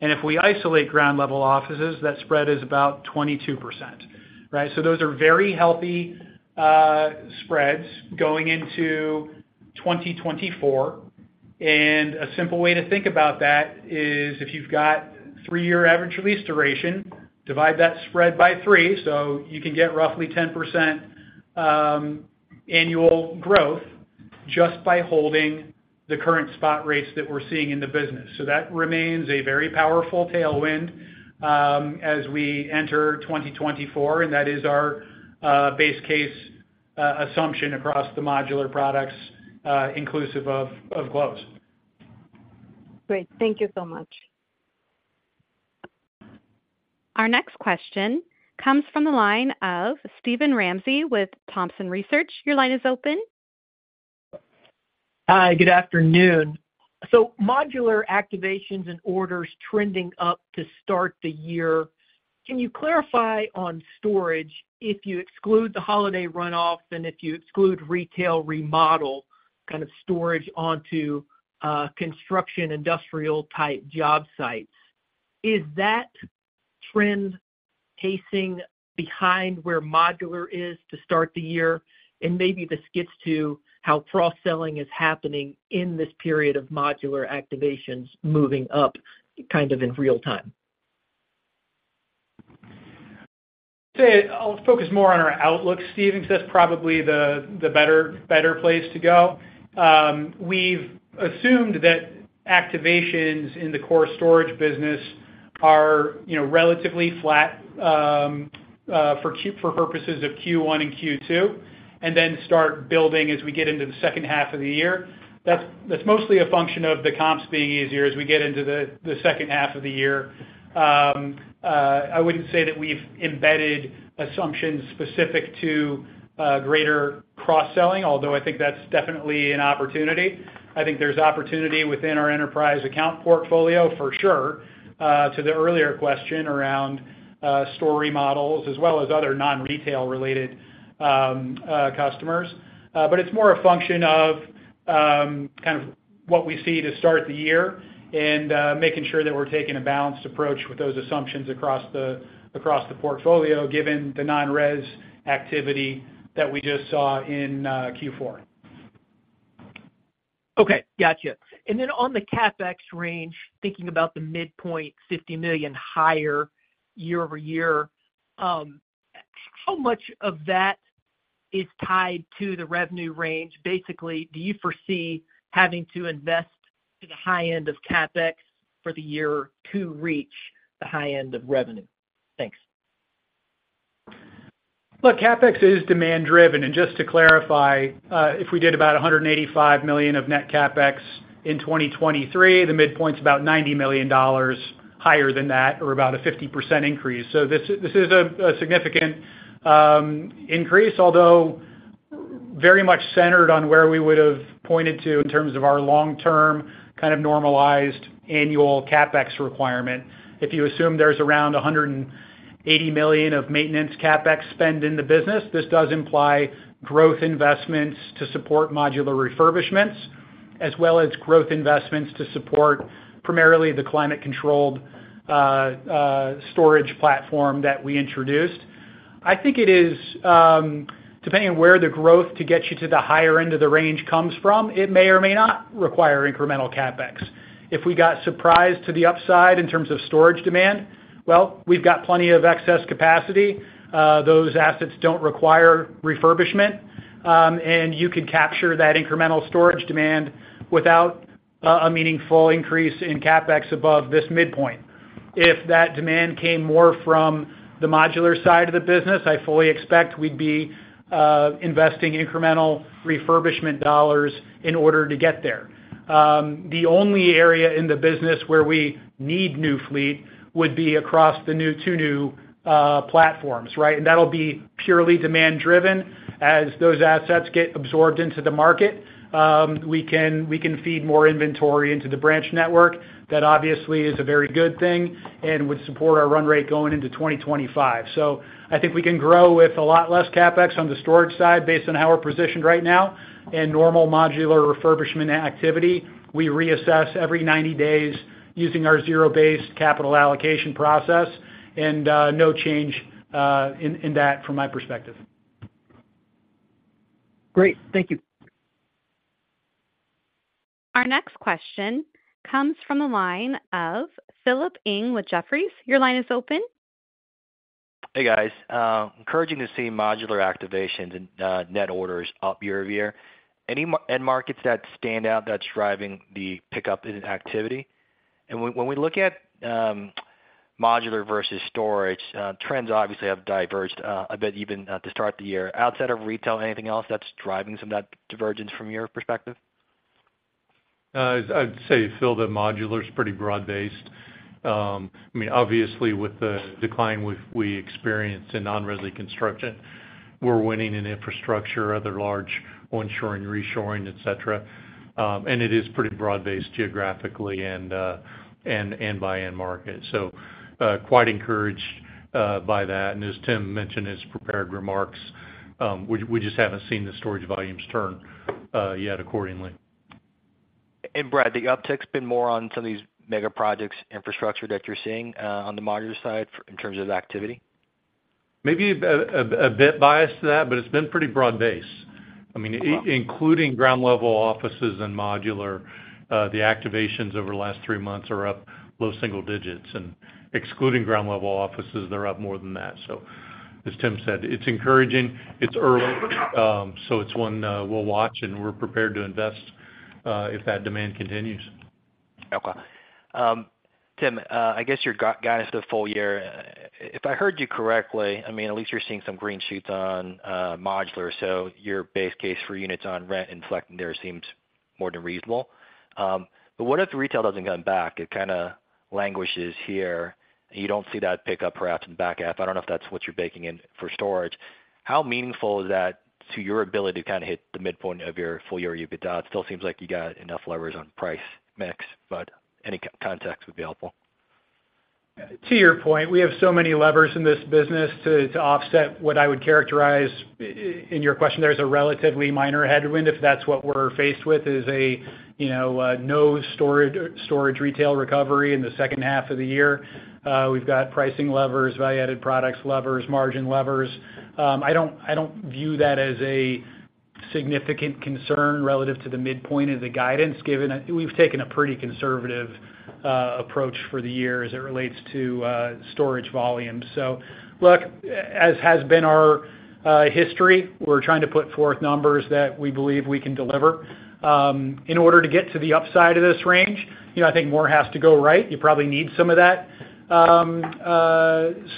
and if we isolate ground-level offices, that spread is about 22%, right? So those are very healthy spreads going into 2024. And a simple way to think about that is, if you've got 3-year average lease duration, divide that spread by 3, so you can get roughly 10% annual growth just by holding the current spot rates that we're seeing in the business. So that remains a very powerful tailwind as we enter 2024, and that is our base case assumption across the modular products inclusive of GLOs. Great. Thank you so much. Our next question comes from the line of Steven Ramsey with Thompson Research. Your line is open. Hi, good afternoon. So modular activations and orders trending up to start the year, can you clarify on storage, if you exclude the holiday runoff and if you exclude retail remodel, kind of storage onto construction, industrial-type job sites, is that trend pacing behind where modular is to start the year? And maybe this gets to how cross-selling is happening in this period of modular activations moving up kind of in real time. Say, I'll focus more on our outlook, Steve, because that's probably the better place to go. We've assumed that activations in the core storage business are, you know, relatively flat, for purposes of Q1 and Q2, and then start building as we get into the second half of the year. That's mostly a function of the comps being easier as we get into the second half of the year. I wouldn't say that we've embedded assumptions specific to greater cross-selling, although I think that's definitely an opportunity. I think there's opportunity within our enterprise account portfolio for sure, to the earlier question around store remodels as well as other non-retail related customers. But it's more a function of kind of what we see to start the year and making sure that we're taking a balanced approach with those assumptions across the portfolio, given the non-res activity that we just saw in Q4. Okay, gotcha. Then on the CapEx range, thinking about the midpoint, $50 million higher year-over-year, how much of that is tied to the revenue range? Basically, do you foresee having to invest to the high end of CapEx for the year to reach the high end of revenue? Thanks. Look, CapEx is demand driven, and just to clarify, if we did about $185 million of net CapEx in 2023, the midpoint's about $90 million higher than that, or about a 50% increase. So this, this is a, a significant, increase, although very much centered on where we would've pointed to in terms of our long-term, kind of normalized annual CapEx requirement. If you assume there's around $180 million of maintenance CapEx spend in the business, this does imply growth investments to support modular refurbishments, as well as growth investments to support primarily the climate-controlled, storage platform that we introduced. I think it is, depending on where the growth to get you to the higher end of the range comes from, it may or may not require incremental CapEx. If we got surprised to the upside in terms of storage demand, well, we've got plenty of excess capacity. Those assets don't require refurbishment, and you can capture that incremental storage demand without a meaningful increase in CapEx above this midpoint. If that demand came more from the modular side of the business, I fully expect we'd be investing incremental refurbishment dollars in order to get there. The only area in the business where we need new fleet would be across the new, two new platforms, right? And that'll be purely demand driven. As those assets get absorbed into the market, we can, we can feed more inventory into the branch network. That obviously is a very good thing, and would support our run rate going into 2025. So I think we can grow with a lot less CapEx on the storage side based on how we're positioned right now, and normal modular refurbishment activity. We reassess every 90 days using our zero-based capital allocation process, and no change in that from my perspective. Great. Thank you. Our next question comes from the line of Philip Ng with Jefferies. Your line is open. Hey, guys. Encouraging to see modular activations and net orders up year-over-year. Any end markets that stand out that's driving the pickup in activity? And when we look at modular versus storage, trends obviously have diverged a bit even to start the year. Outside of retail, anything else that's driving some of that divergence from your perspective? I'd say, Philip, that modular is pretty broad-based. I mean, obviously with the decline we've, we experienced in non-res construction, we're winning in infrastructure, other large onshoring, reshoring, et cetera. And it is pretty broad-based geographically and by end market. So, quite encouraged by that. And as Tim mentioned in his prepared remarks, we, we just haven't seen the storage volumes turn yet accordingly. Brad, the uptick's been more on some of these mega projects infrastructure that you're seeing, on the modular side in terms of activity? Maybe a bit biased to that, but it's been pretty broad-based. I mean, including ground level offices and modular, the activations over the last three months are up low single digits, and excluding ground level offices, they're up more than that. So as Tim said, it's encouraging, it's early, so it's one, we'll watch and we're prepared to invest, if that demand continues. Okay. Tim, I guess your guidance for the full year, if I heard you correctly, I mean, at least you're seeing some green shoots on modular, so your base case for units on rent and selecting there seems more than reasonable. But what if the retail doesn't come back? It kind of languishes here, and you don't see that pickup perhaps in the back half. I don't know if that's what you're baking in for storage. How meaningful is that to your ability to kind of hit the midpoint of your full year EBITDA? It still seems like you got enough levers on price mix, but any context would be helpful. ... To your point, we have so many levers in this business to offset what I would characterize in your question there as a relatively minor headwind, if that's what we're faced with, is a you know no storage storage retail recovery in the second half of the year. We've got pricing levers, value-added products levers, margin levers. I don't I don't view that as a significant concern relative to the midpoint of the guidance, given that we've taken a pretty conservative approach for the year as it relates to storage volumes. So look, as has been our history, we're trying to put forth numbers that we believe we can deliver. In order to get to the upside of this range, you know I think more has to go right. You probably need some of that,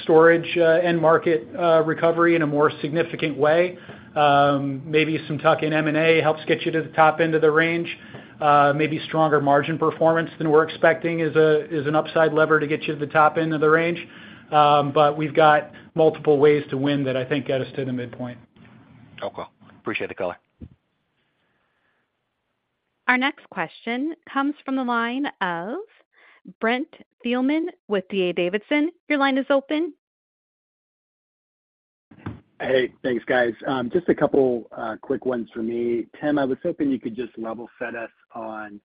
storage, end market, recovery in a more significant way. Maybe some tuck-in M&A helps get you to the top end of the range. Maybe stronger margin performance than we're expecting is an upside lever to get you to the top end of the range. But we've got multiple ways to win that I think get us to the midpoint. Okay. Appreciate the color. Our next question comes from the line of Brent Thielman with D.A. Davidson. Your line is open. Hey, thanks, guys. Just a couple quick ones for me. Tim, I was hoping you could just level set us on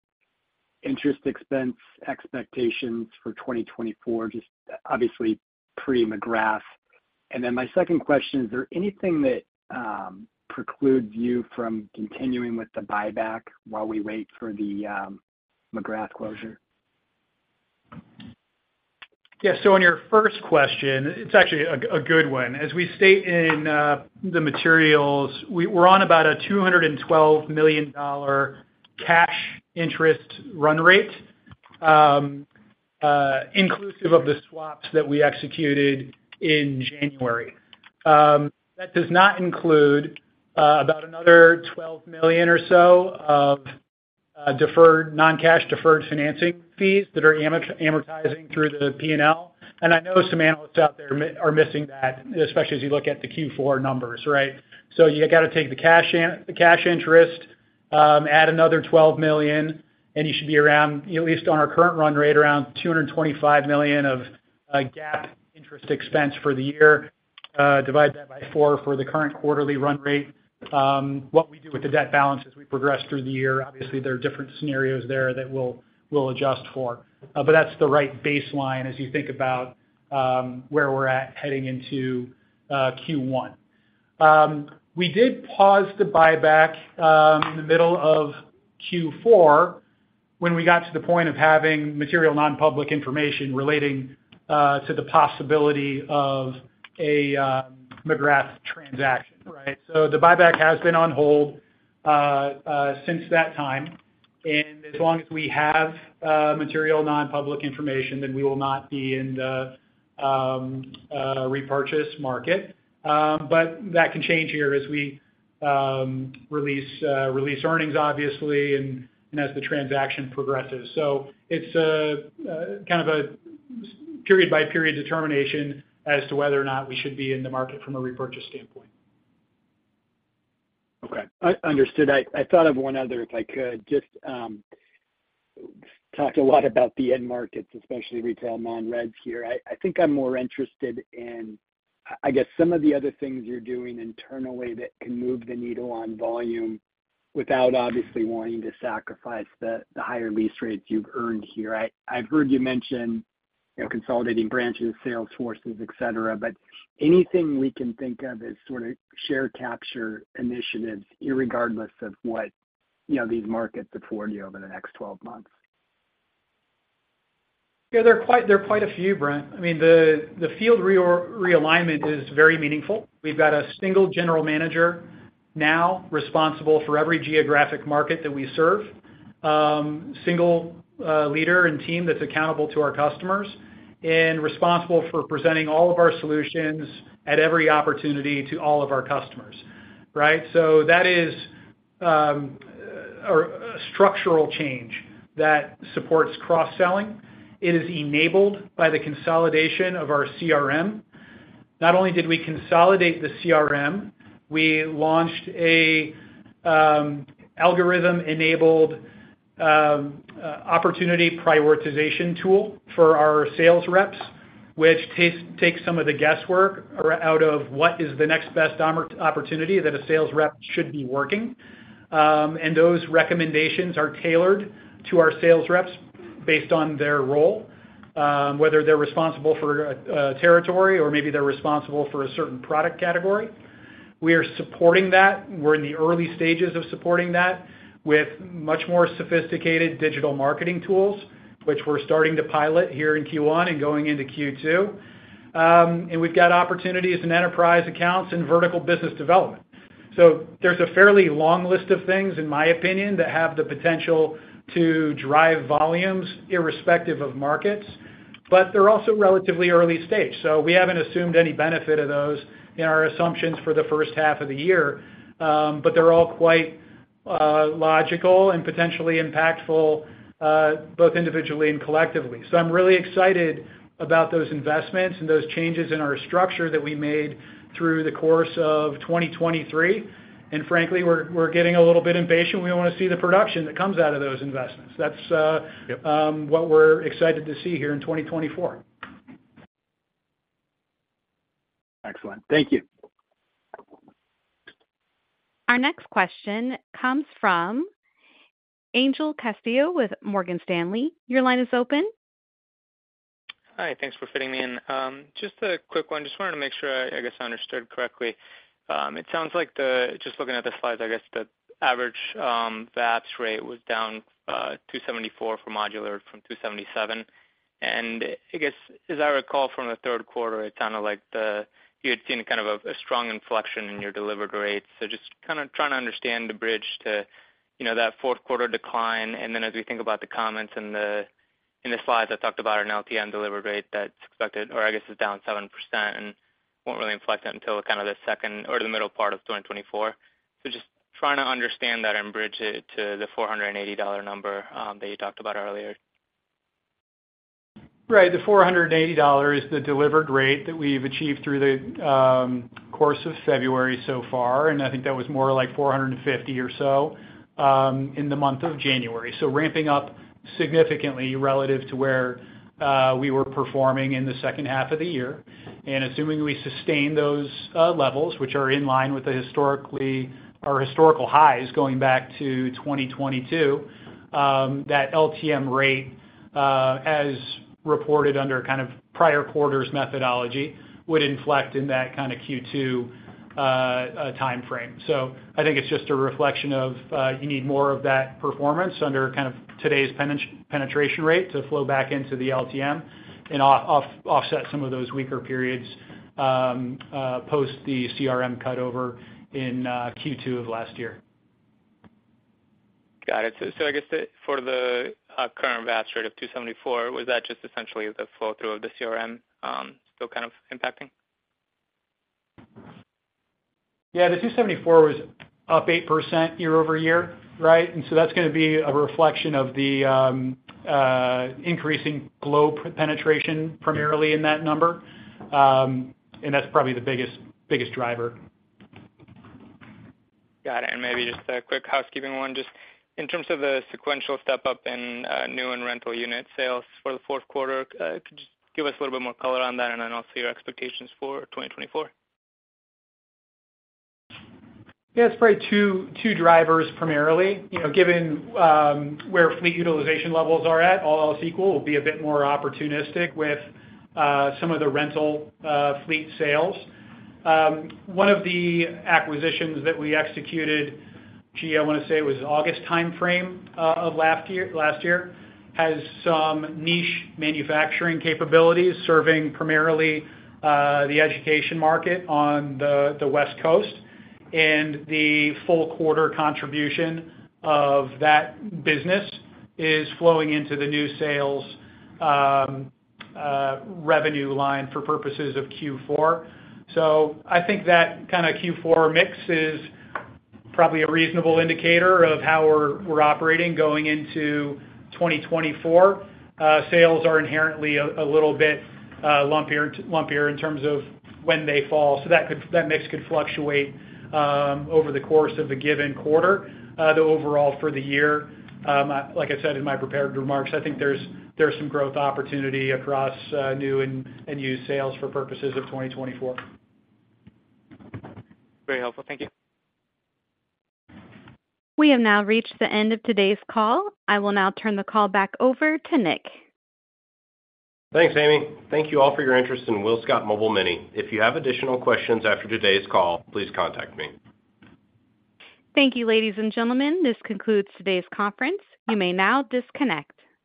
interest expense expectations for 2024, just obviously pre-McGrath. And then my second question, is there anything that precludes you from continuing with the buyback while we wait for the McGrath closure? Yeah. So on your first question, it's actually a good one. As we state in the materials, we're on about a $212 million cash interest run rate, inclusive of the swaps that we executed in January. That does not include about another $12 million or so of deferred, non-cash deferred financing fees that are amortizing through the P&L. And I know some analysts out there are missing that, especially as you look at the Q4 numbers, right? So you gotta take the cash interest, add another $12 million, and you should be around, at least on our current run rate, around $225 million of GAAP interest expense for the year, divide that by four for the current quarterly run rate. What we do with the debt balance as we progress through the year, obviously, there are different scenarios there that we'll adjust for. But that's the right baseline as you think about where we're at heading into Q1. We did pause the buyback in the middle of Q4, when we got to the point of having material non-public information relating to the possibility of a McGrath transaction, right? So the buyback has been on hold since that time, and as long as we have material non-public information, then we will not be in the repurchase market. But that can change here as we release earnings, obviously, and as the transaction progresses. So it's a kind of period-by-period determination as to whether or not we should be in the market from a repurchase standpoint. Okay. Understood. I thought of one other, if I could. Just talked a lot about the end markets, especially retail non-res here. I think I'm more interested in, I guess, some of the other things you're doing internally that can move the needle on volume without obviously wanting to sacrifice the higher lease rates you've earned here. I've heard you mention, you know, consolidating branches, sales forces, et cetera, but anything we can think of as sort of share capture initiatives, irregardless of what, you know, these markets afford you over the next 12 months? Yeah, there are quite a few, Brent. I mean, the field realignment is very meaningful. We've got a single general manager now responsible for every geographic market that we serve. Single leader and team that's accountable to our customers and responsible for presenting all of our solutions at every opportunity to all of our customers, right? So that is a structural change that supports cross-selling. It is enabled by the consolidation of our CRM. Not only did we consolidate the CRM, we launched a algorithm-enabled opportunity prioritization tool for our sales reps, which takes some of the guesswork out of what is the next best opportunity that a sales rep should be working. And those recommendations are tailored to our sales reps based on their role, whether they're responsible for a territory or maybe they're responsible for a certain product category. We are supporting that. We're in the early stages of supporting that with much more sophisticated digital marketing tools, which we're starting to pilot here in Q1 and going into Q2. And we've got opportunities in enterprise accounts and vertical business development. So there's a fairly long list of things, in my opinion, that have the potential to drive volumes irrespective of markets, but they're also relatively early stage, so we haven't assumed any benefit of those in our assumptions for the first half of the year. But they're all quite logical and potentially impactful, both individually and collectively. I'm really excited about those investments and those changes in our structure that we made through the course of 2023. Frankly, we're getting a little bit impatient. We wanna see the production that comes out of those investments. That's Yep... what we're excited to see here in 2024. Thank you. Our next question comes from Angel Castillo with Morgan Stanley. Your line is open. Hi, thanks for fitting me in. Just a quick one. Just wanted to make sure, I guess, I understood correctly. It sounds like the—just looking at the slides, I guess the average VAPS rate was down $2.74 for modular from $2.77. And I guess, as I recall from the third quarter, it sounded like the, you had seen a kind of strong inflection in your delivered rates. So just kind of trying to understand the bridge to, you know, that fourth quarter decline, and then as we think about the comments in the, in the slides that talked about an LTM delivered rate that's expected, or I guess is down 7% and won't really inflect it until kind of the second or the middle part of 2024. So just trying to understand that and bridge it to the $480 number that you talked about earlier. Right. The $480 is the delivered rate that we've achieved through the course of February so far, and I think that was more like $450 or so in the month of January. So ramping up significantly relative to where we were performing in the second half of the year. And assuming we sustain those levels, which are in line with our historical highs, going back to 2022, that LTM rate as reported under kind of prior quarters methodology, would inflect in that kind of Q2 timeframe. So I think it's just a reflection of you need more of that performance under kind of today's penetration rate to flow back into the LTM and offset some of those weaker periods post the CRM cutover in Q2 of last year. Got it. So, I guess for the current VAPS rate of 274, was that just essentially the flow through of the CRM, still kind of impacting? Yeah, the 274 was up 8% year-over-year, right? And so that's gonna be a reflection of the increasing GLO penetration, primarily in that number. And that's probably the biggest, biggest driver. Got it, and maybe just a quick housekeeping one. Just in terms of the sequential step up in new and rental unit sales for the fourth quarter, could you just give us a little bit more color on that, and then also your expectations for 2024? Yeah, it's probably two, two drivers primarily, you know, given where fleet utilization levels are at, all else equal, we'll be a bit more opportunistic with some of the rental fleet sales. One of the acquisitions that we executed, gee, I wanna say it was August timeframe of last year, last year, has some niche manufacturing capabilities, serving primarily the education market on the West Coast, and the full quarter contribution of that business is flowing into the new sales revenue line for purposes of Q4. So I think that kind of Q4 mix is probably a reasonable indicator of how we're operating going into 2024. Sales are inherently a little bit lumpier in terms of when they fall, so that could, that mix could fluctuate over the course of a given quarter. Though overall for the year, like I said in my prepared remarks, I think there's some growth opportunity across new and used sales for purposes of 2024. Very helpful. Thank you. We have now reached the end of today's call. I will now turn the call back over to Nick. Thanks, Amy. Thank you all for your interest in WillScot Mobile Mini. If you have additional questions after today's call, please contact me. Thank you, ladies and gentlemen. This concludes today's conference. You may now disconnect.